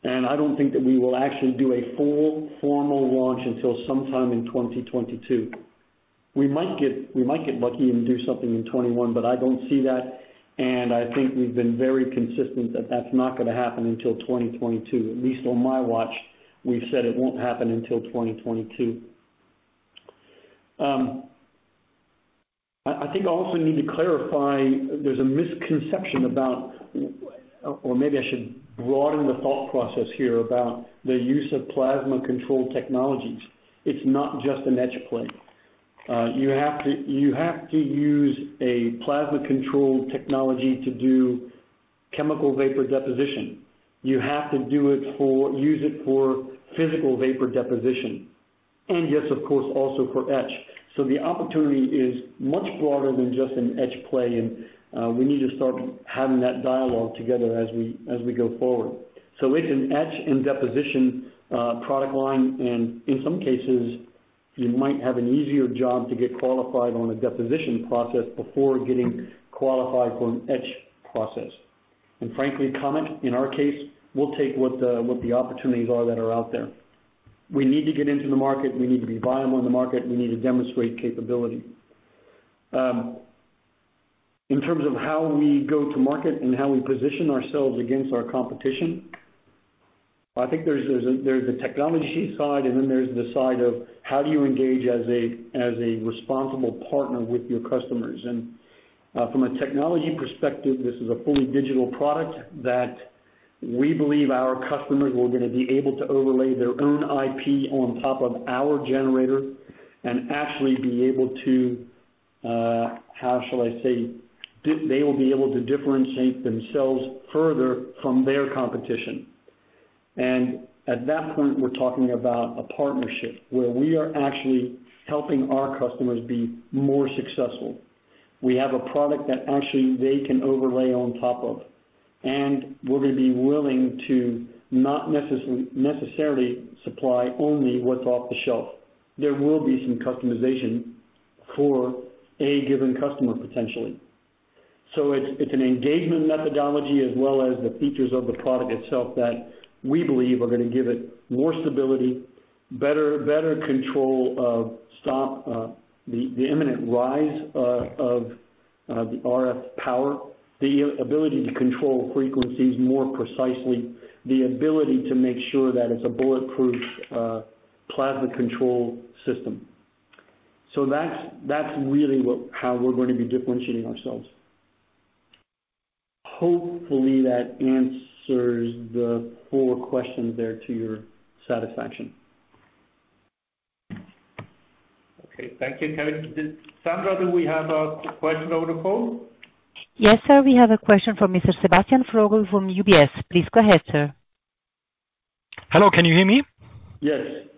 S3: I don't think that we will actually do a full formal launch until sometime in 2022. We might get lucky and do something in 2021, but I don't see that, and I think we've been very consistent that that's not going to happen until 2022. At least on my watch, we've said it won't happen until 2022. I think I also need to clarify, there's a misconception about, or maybe I should broaden the thought process here about the use of plasma control technologies. It's not just an etch play. You have to use a plasma control technology to do chemical vapor deposition. You have to use it for physical vapor deposition. Yes, of course, also for etch. The opportunity is much broader than just an etch play, and we need to start having that dialogue together as we go forward. It's an etch and deposition product line, and in some cases, you might have an easier job to get qualified on a deposition process before getting qualified for an etch process. Frankly, Comet, in our case, we'll take what the opportunities are that are out there. We need to get into the market. We need to be viable in the market. We need to demonstrate capability. In terms of how we go to market and how we position ourselves against our competition, I think there's a technology side, and then there's the side of how do you engage as a responsible partner with your customers. From a technology perspective, this is a fully digital product that we believe our customers are going to be able to overlay their own IP on top of our generator and actually be able to, how shall I say, they will be able to differentiate themselves further from their competition. At that point, we're talking about a partnership where we are actually helping our customers be more successful. We have a product that actually they can overlay on top of, and we're going to be willing to not necessarily supply only what's off the shelf. There will be some customization for a given customer, potentially. It's an engagement methodology as well as the features of the product itself that we believe are going to give it more stability, better control of RF power, the ability to control frequencies more precisely, the ability to make sure that it's a bulletproof plasma control system. That's really how we're going to be differentiating ourselves. Hopefully that answers the four questions there to your satisfaction.
S2: Okay. Thank you, Kevin. Sandra, do we have a question over the phone?
S1: Yes, sir. We have a question from Mr. Sebastian Vogel from UBS. Please go ahead, sir.
S6: Hello, can you hear me?
S2: Yes.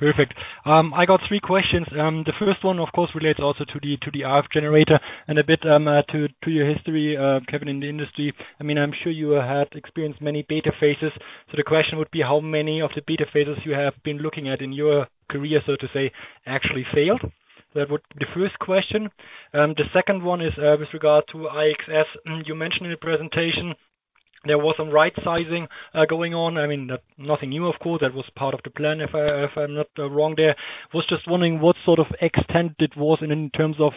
S6: Perfect. I got three questions. The first one, of course, relates also to the RF generator and a bit to your history, Kevin, in the industry. I'm sure you have experienced many beta phases. The question would be how many of the beta phases you have been looking at in your career, so to say, actually failed? That would be the first question. The second one is with regard to IXM. You mentioned in the presentation there was some right sizing going on. Nothing new, of course. That was part of the plan, if I'm not wrong there. I was just wondering what sort of extent it was in terms of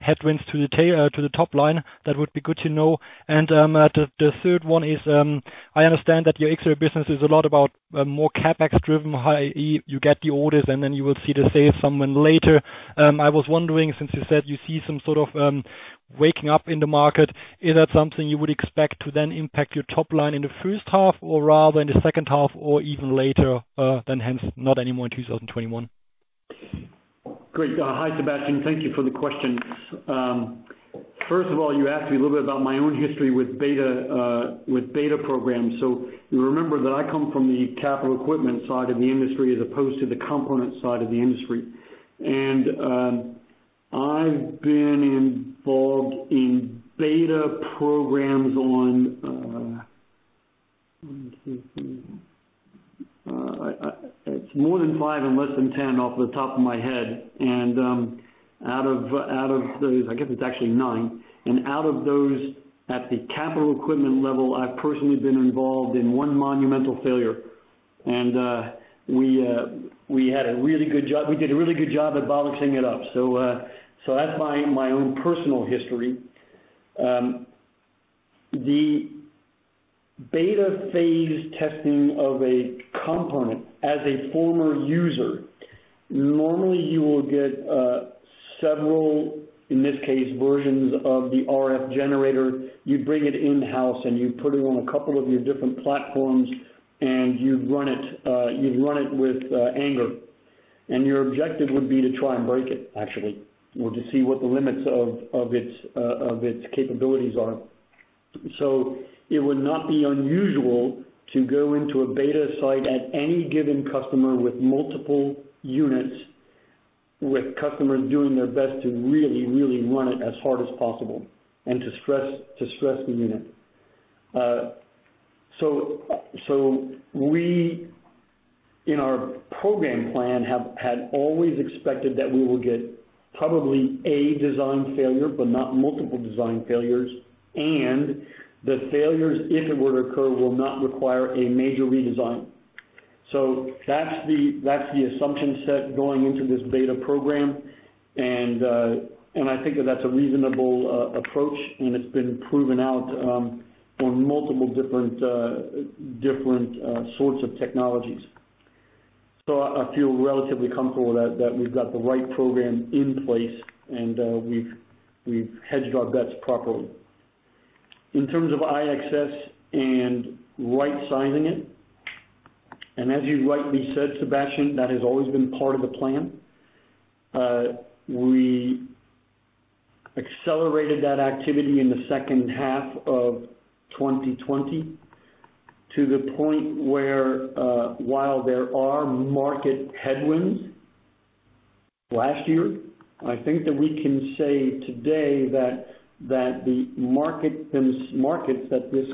S6: headwinds to the top line. That would be good to know. The third one is, I understand that your X-ray business is a lot about more CapEx driven. You get the orders and then you will see the sales somewhere later. I was wondering, since you said you see some sort of waking up in the market, is that something you would expect to then impact your top line in the first half or rather in the second half or even later, then hence not anymore in 2021?
S3: Great. Hi, Sebastian. Thank you for the questions. You asked me a little bit about my own history with beta programs. You remember that I come from the capital equipment side of the industry as opposed to the component side of the industry. I've been involved in beta programs on, let me see. It's more than five and less than 10 off the top of my head. Out of those, I guess it's actually nine. Out of those at the capital equipment level, I've personally been involved in one monumental failure. We did a really good job at botching it up. That's my own personal history. The beta phase testing of a component as a former user, normally you will get several, in this case, versions of the RF generator. You bring it in-house, and you put it on a couple of your different platforms, and you run it with anger. Your objective would be to try and break it, actually, or to see what the limits of its capabilities are. It would not be unusual to go into a beta site at any given customer with multiple units, with customers doing their best to really, really run it as hard as possible and to stress the unit. We, in our program plan, had always expected that we will get probably a design failure, but not multiple design failures, and the failures, if it were to occur, will not require a major redesign. That's the assumption set going into this beta program, and I think that that's a reasonable approach, and it's been proven out on multiple different sorts of technologies. I feel relatively comfortable that we've got the right program in place and we've hedged our bets properly. In terms of IXS and right-sizing it, and as you rightly said, Sebastian, that has always been part of the plan. We accelerated that activity in the second half of 2020 to the point where while there are market headwinds last year, I think that we can say today that the markets that this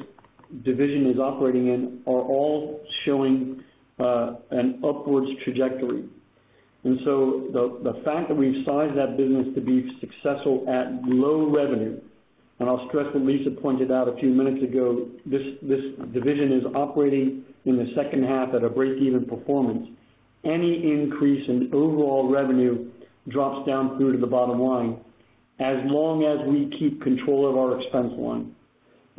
S3: division is operating in are all showing an upwards trajectory. The fact that we've sized that business to be successful at low revenue, and I'll stress what Lisa pointed out a few minutes ago, this division is operating in the second half at a breakeven performance. Any increase in overall revenue drops down through to the bottom line as long as we keep control of our expense line.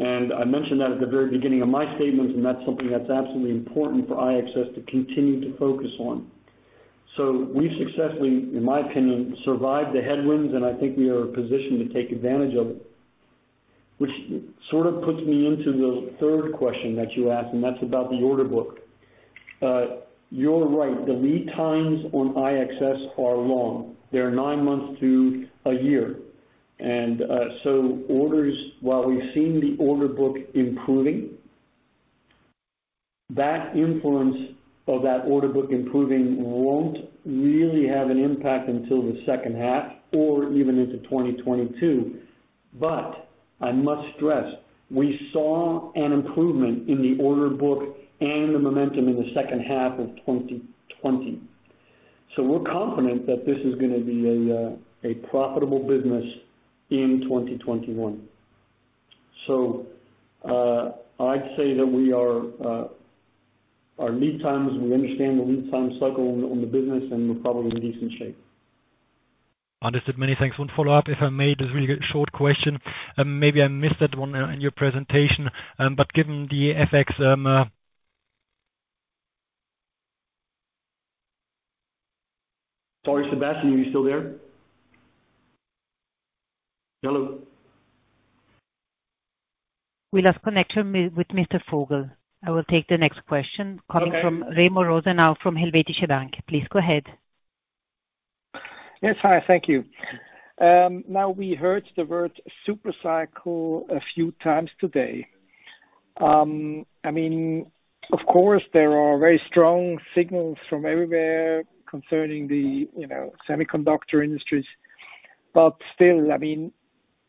S3: I mentioned that at the very beginning of my statements, and that's something that's absolutely important for IXM to continue to focus on. We've successfully, in my opinion, survived the headwinds, and I think we are positioned to take advantage of it, which sort of puts me into the third question that you asked, and that's about the order book. You're right, the lead times on IXM are long. They're nine months to a year. Orders, while we've seen the order book improving, that influence of that order book improving won't really have an impact until the second half or even into 2022. I must stress, we saw an improvement in the order book and the momentum in the second half of 2020. We're confident that this is going to be a profitable business in 2021. I'd say that our lead times, we understand the lead time cycle on the business, and we're probably in decent shape.
S6: Understood. Many thanks. One follow-up if I may. This is a really short question. Maybe I missed that one in your presentation. Given the FX.
S3: Sorry, Sebastian, are you still there? Hello?
S1: We lost connection with Mr. Vogel. I will take the next question coming from.
S3: Okay.
S1: Remo Rosenau from Helvetische Bank. Please go ahead.
S7: Yes, hi. Thank you. We heard the word super cycle a few times today. Of course, there are very strong signals from everywhere concerning the semiconductor industry. Still,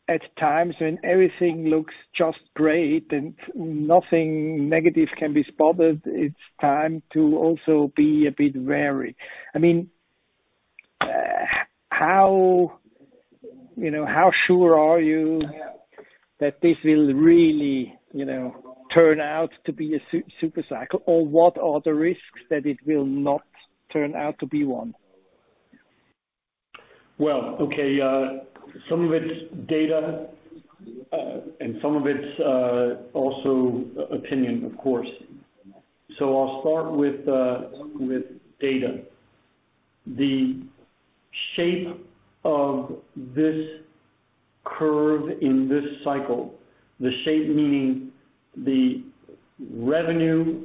S7: at times when everything looks just great and nothing negative can be spotted, it's time to also be a bit wary. How sure are you that this will really turn out to be a super cycle? What are the risks that it will not turn out to be one?
S3: Okay. Some of it's data, and some of it's also opinion, of course. I'll start with data. The shape of this curve in this cycle, the shape meaning the revenue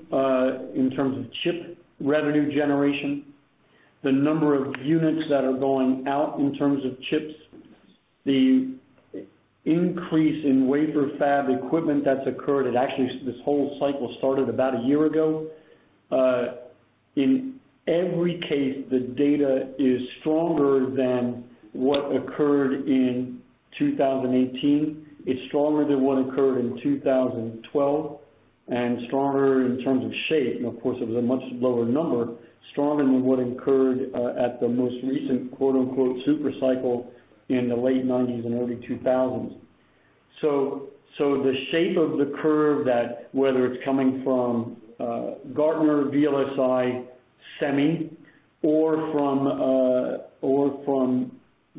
S3: in terms of chip revenue generation, the number of units that are going out in terms of chips, the increase in wafer fab equipment that's occurred, and actually, this whole cycle started about one year ago. In every case, the data is stronger than what occurred in 2018. It's stronger than what occurred in 2012, and stronger in terms of shape, and of course, it was a much lower number, stronger than what occurred at the most recent super cycle in the late 1990s and early 2000s. The shape of the curve that, whether it's coming from Gartner, VLSI, SEMI, or from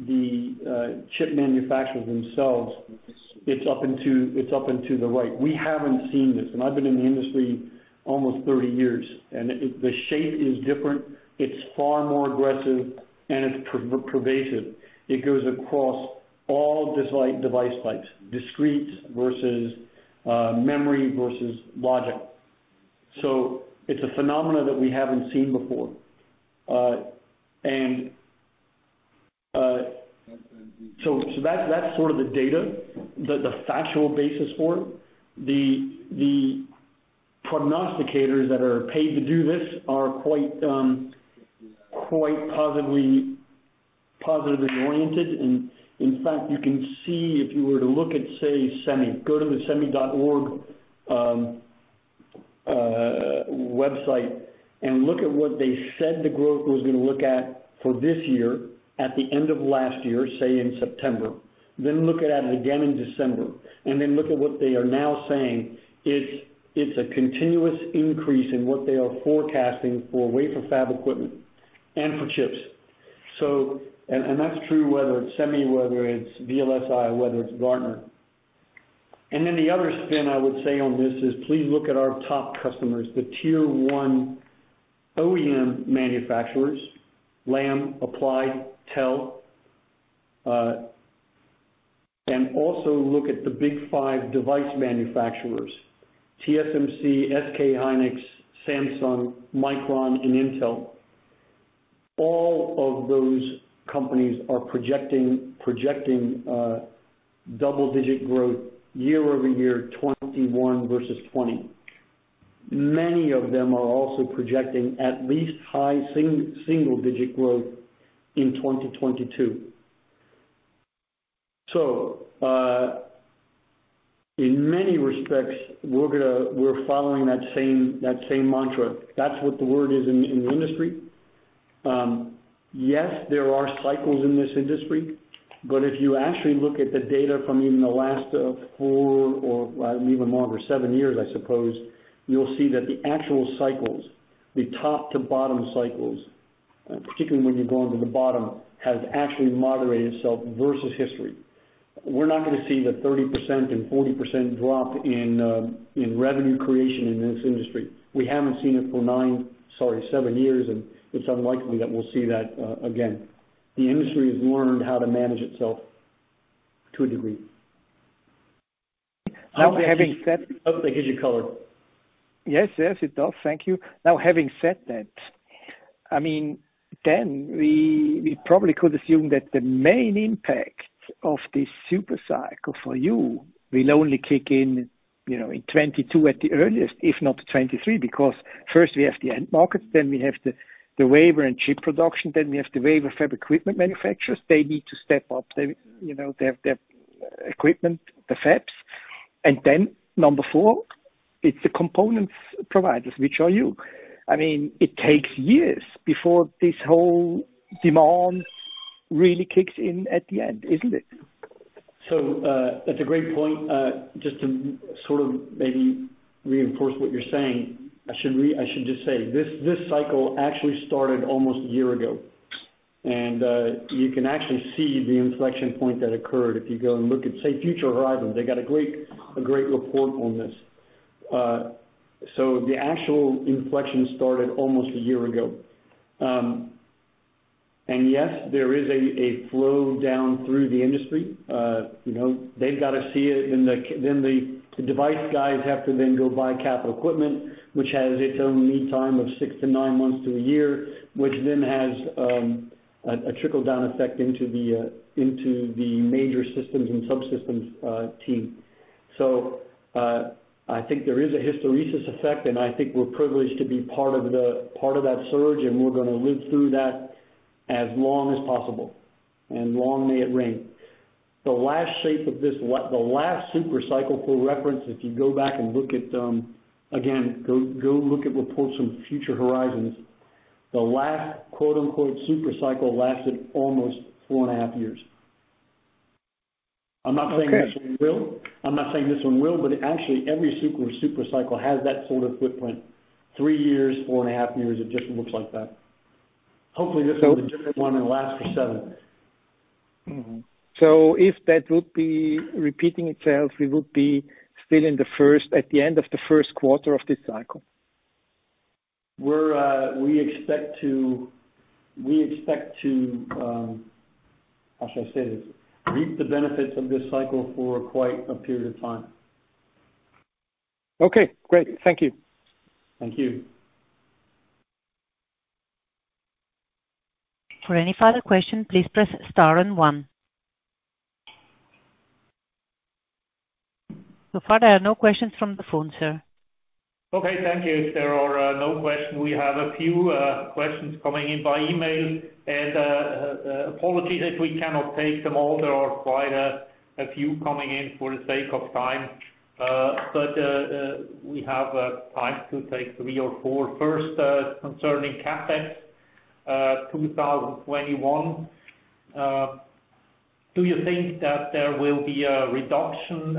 S3: the chip manufacturers themselves, it's up and to the right. We haven't seen this, and I've been in the industry almost 30 years, and the shape is different. It's far more aggressive, and it's pervasive. It goes across all device types, discrete versus memory versus logic. It's a phenomena that we haven't seen before. That's sort of the data, the factual basis for it. The prognosticators that are paid to do this are quite positively oriented. In fact, you can see if you were to look at, say, SEMI. Go to the semi.org website and look at what they said the growth was going to look at for this year, at the end of last year, say, in September. Look at it again in December. Look at what they are now saying. It's a continuous increase in what they are forecasting for wafer fab equipment and for chips. That's true whether it's SEMI, whether it's VLSI, whether it's Gartner. The other spin I would say on this is please look at our top customers, the tier 1 OEM manufacturers, Lam, Applied, TEL, and also look at the big five device manufacturers, TSMC, SK Hynix, Samsung, Micron, and Intel. All of those companies are projecting double-digit growth year-over-year 2021 versus 2020. Many of them are also projecting at least high single-digit growth in 2022. In many respects, we're following that same mantra. That's what the word is in the industry. Yes, there are cycles in this industry. If you actually look at the data from even the last four or even more, over seven years, I suppose, you'll see that the actual cycles, the top to bottom cycles, particularly when you're going to the bottom, has actually moderated itself versus history. We're not going to see the 30% and 40% drop in revenue creation in this industry. We haven't seen it for nine, sorry, seven years. It's unlikely that we'll see that again. The industry has learned how to manage itself to a degree.
S7: Now, having said.
S3: Hope to get you colored.
S7: Yes, it does. Thank you. Having said that, then we probably could assume that the main impact of this super cycle for you will only kick in 2022 at the earliest, if not 2023. First we have the end market, then we have the wafer and chip production, then we have the wafer fab equipment manufacturers. They need to step up their equipment, the fabs. Number four, it's the components providers, which are you. It takes years before this whole demand really kicks in at the end, isn't it?
S3: That's a great point. Just to sort of maybe reinforce what you're saying, I should just say, this cycle actually started almost a year ago. You can actually see the inflection point that occurred if you go and look at, say, Future Horizons. They got a great report on this. The actual inflection started almost a year ago. Yes, there is a flow down through the industry. They've got to see it, then the device guys have to then go buy capital equipment, which has its own lead time of six to nine months to one year, which then has a trickle-down effect into the major systems and subsystems team. I think there is a hysteresis effect, and I think we're privileged to be part of that surge, and we're going to live through that as long as possible, and long may it reign. The last super cycle, for reference, if you go back and look at reports from Future Horizons, the last quote, unquote, "super cycle" lasted almost 4.5 years.
S7: Okay.
S3: I'm not saying this one will, but actually every super cycle has that sort of footprint. Three years, four and a half years, it just looks like that. Hopefully this one's a different one and lasts for seven.
S7: If that would be repeating itself, we would be still at the end of the first quarter of this cycle?
S3: We expect to, how shall I say this? Reap the benefits of this cycle for quite a period of time.
S7: Okay, great. Thank you.
S3: Thank you.
S1: For any further question, please press star and one. There are no questions from the phone, sir.
S2: Okay, thank you. If there are no questions, we have a few questions coming in by email, and apologies if we cannot take them all. There are quite a few coming in. For the sake of time, we have time to take three or four. First, concerning CapEx 2021, do you think that there will be a reduction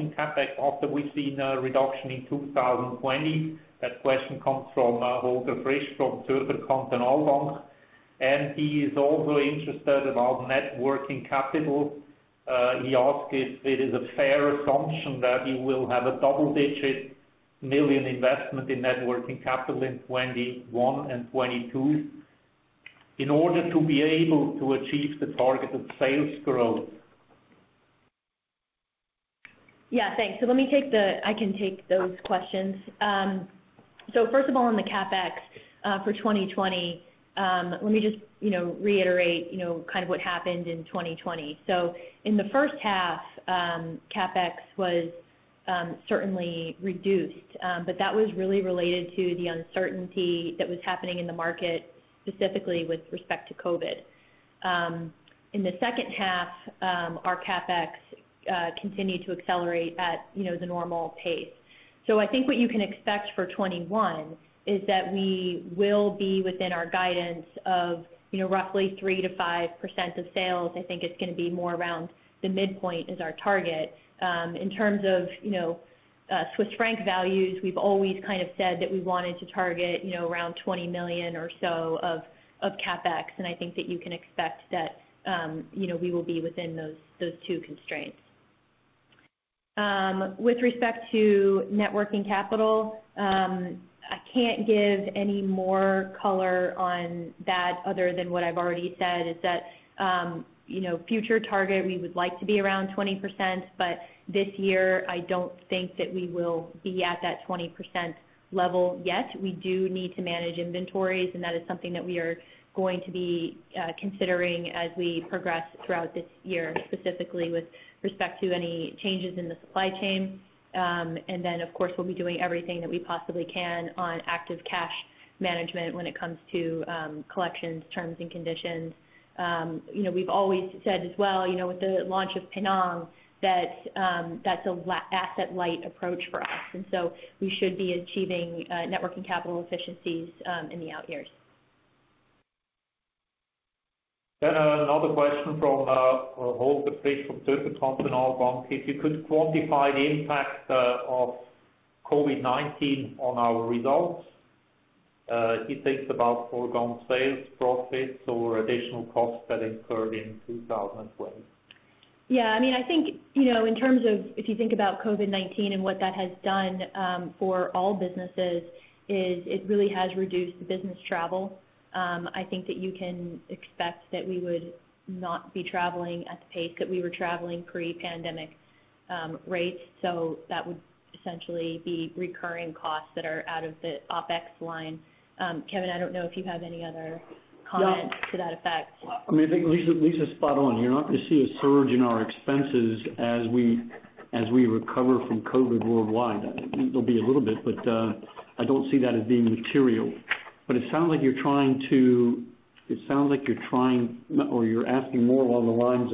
S2: in CapEx after we've seen a reduction in 2020? That question comes from Holger Frisch from Zürcher Kantonalbank, and he is also interested about net working capital. He asked if it is a fair assumption that you will have a CHF double-digit million investment in net working capital in 2021 and 2022 in order to be able to achieve the targeted sales growth.
S4: Yeah, thanks. I can take those questions. First of all, on the CapEx for 2020, let me just reiterate what happened in 2020. In the first half, CapEx was certainly reduced. That was really related to the uncertainty that was happening in the market, specifically with respect to COVID. In the second half, our CapEx continued to accelerate at the normal pace. I think what you can expect for 2021 is that we will be within our guidance of roughly 3%-5% of sales. I think it's going to be more around the midpoint as our target. In terms of Swiss franc values, we've always said that we wanted to target around 20 million or so of CapEx, and I think that you can expect that we will be within those two constraints. With respect to net working capital, I can't give any more color on that other than what I've already said, is that future target, we would like to be around 20%. This year, I don't think that we will be at that 20% level yet. We do need to manage inventories. That is something that we are going to be considering as we progress throughout this year, specifically with respect to any changes in the supply chain. Of course, we'll be doing everything that we possibly can on active cash management when it comes to collections terms and conditions. We've always said as well, with the launch of Penang, that's an asset-light approach for us. We should be achieving net working capital efficiencies in the out years.
S2: Another question from Holger Frisch from Zürcher Kantonalbank. If you could quantify the impact of COVID-19 on our results. He thinks about foregone sales, profits, or additional costs that incurred in 2020.
S4: Yeah. I think, if you think about COVID-19 and what that has done for all businesses, is it really has reduced business travel. I think that you can expect that we would not be traveling at the pace that we were traveling pre-pandemic rates. That would essentially be recurring costs that are out of the OpEx line. Kevin, I don't know if you have any other comments to that effect.
S3: I think Lisa is spot on. You're not going to see a surge in our expenses as we recover from COVID worldwide. There'll be a little bit. I don't see that as being material. It sounds like you're asking more along the lines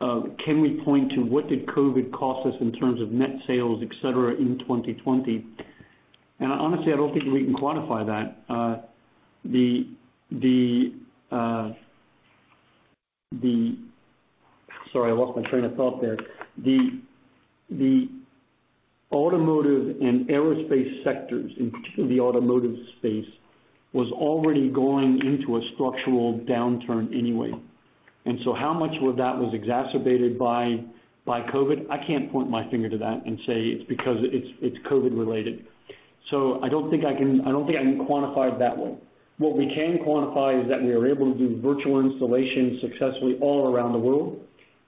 S3: of, can we point to what did COVID cost us in terms of net sales, et cetera, in 2020? Honestly, I don't think we can quantify that. Sorry, I lost my train of thought there. The automotive and aerospace sectors, in particular the automotive space, was already going into a structural downturn anyway. How much of that was exacerbated by COVID? I can't point my finger to that and say it's COVID-related. I don't think I can quantify it that way. What we can quantify is that we are able to do virtual installations successfully all around the world,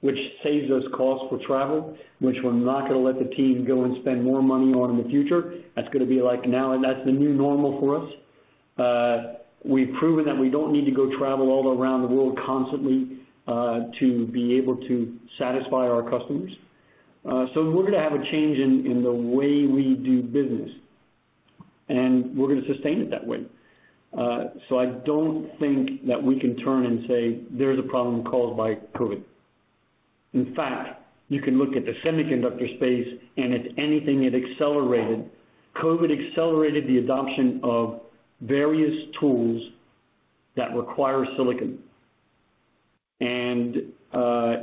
S3: which saves us cost for travel, which we're not going to let the team go and spend more money on in the future. That's going to be like now, and that's the new normal for us. We've proven that we don't need to go travel all around the world constantly to be able to satisfy our customers. We're going to have a change in the way we do business, and we're going to sustain it that way. I don't think that we can turn and say there's a problem caused by COVID. In fact, you can look at the semiconductor space, and if anything, it accelerated. COVID accelerated the adoption of various tools that require silicon, and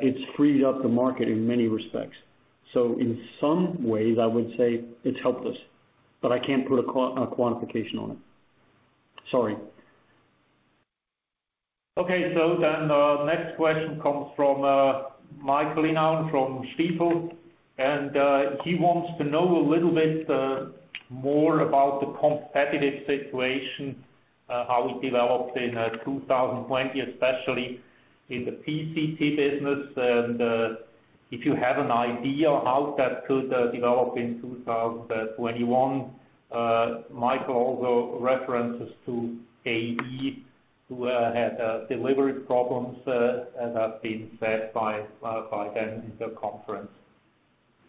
S3: it's freed up the market in many respects. In some ways, I would say it's helped us, but I can't put a quantification on it. Sorry.
S2: Okay. The next question comes from Michael Inauen from Stifel, and he wants to know a little bit more about the competitive situation, how it developed in 2020, especially in the PCT business, and if you have an idea how that could develop in 2021. Michael also references to AE, who had delivery problems as have been said by them in the conference.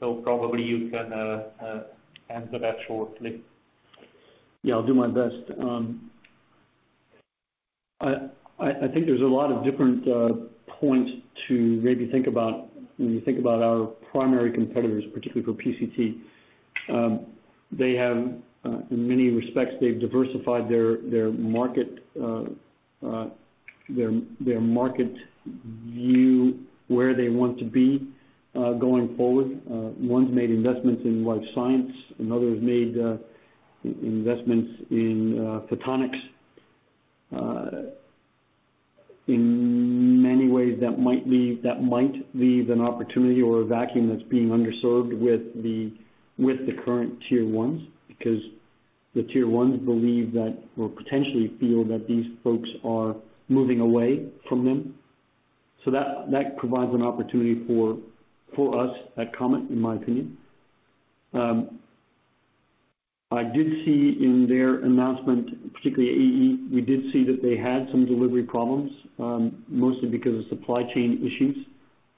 S2: Probably you can answer that shortly.
S3: I'll do my best. I think there's a lot of different points to maybe think about when you think about our primary competitors, particularly for PCT. In many respects, they've diversified their market view, where they want to be going forward. One's made investments in life science. Another's made investments in photonics. In many ways, that might leave an opportunity or a vacuum that's being underserved with the current tier ones, because the tier ones believe that, or potentially feel that these folks are moving away from them. That provides an opportunity for us at Comet, in my opinion. I did see in their announcement, particularly AE, we did see that they had some delivery problems, mostly because of supply chain issues,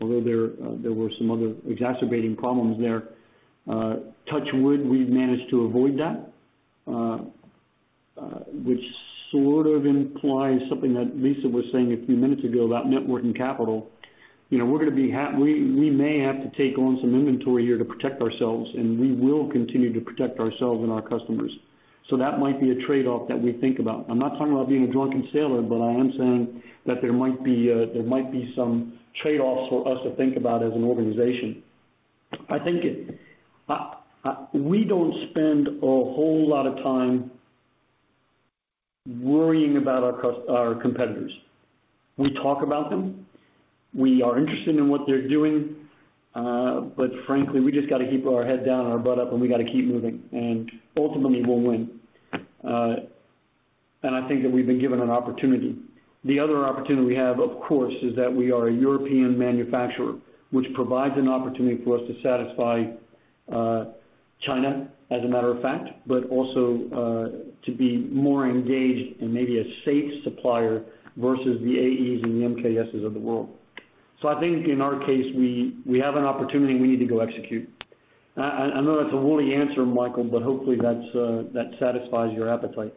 S3: although there were some other exacerbating problems there. Touch wood, we've managed to avoid that, which sort of implies something that Lisa was saying a few minutes ago about net working capital. We may have to take on some inventory here to protect ourselves, and we will continue to protect ourselves and our customers. That might be a trade-off that we think about. I'm not talking about being a drunken sailor, but I am saying that there might be some trade-offs for us to think about as an organization. I think we don't spend a whole lot of time worrying about our competitors. We talk about them. We are interested in what they're doing. Frankly, we just got to keep our head down and our butt up, and we got to keep moving, and ultimately, we'll win. I think that we've been given an opportunity. The other opportunity we have, of course, is that we are a European manufacturer, which provides an opportunity for us to satisfy China as a matter of fact, but also to be more engaged and maybe a safe supplier versus the AEs and the MKSs of the world. I think in our case, we have an opportunity, and we need to go execute. I know that's a wooly answer, Michael, but hopefully that satisfies your appetite.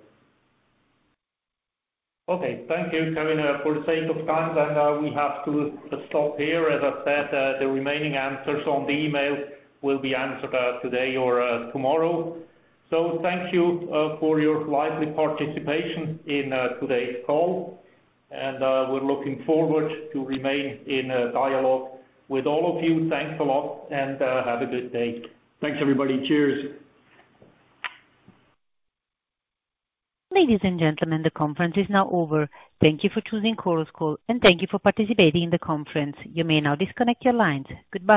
S2: Okay. Thank you, Kevin. For the sake of time then, we have to stop here. As I said, the remaining answers on the email will be answered today or tomorrow. Thank you for your lively participation in today's call, and we're looking forward to remain in dialogue with all of you. Thanks a lot, and have a good day.
S3: Thanks, everybody. Cheers.
S1: Ladies and gentlemen, the conference is now over. Thank you for choosing Chorus Call, and thank you for participating in the conference. You may now disconnect your lines. Goodbye.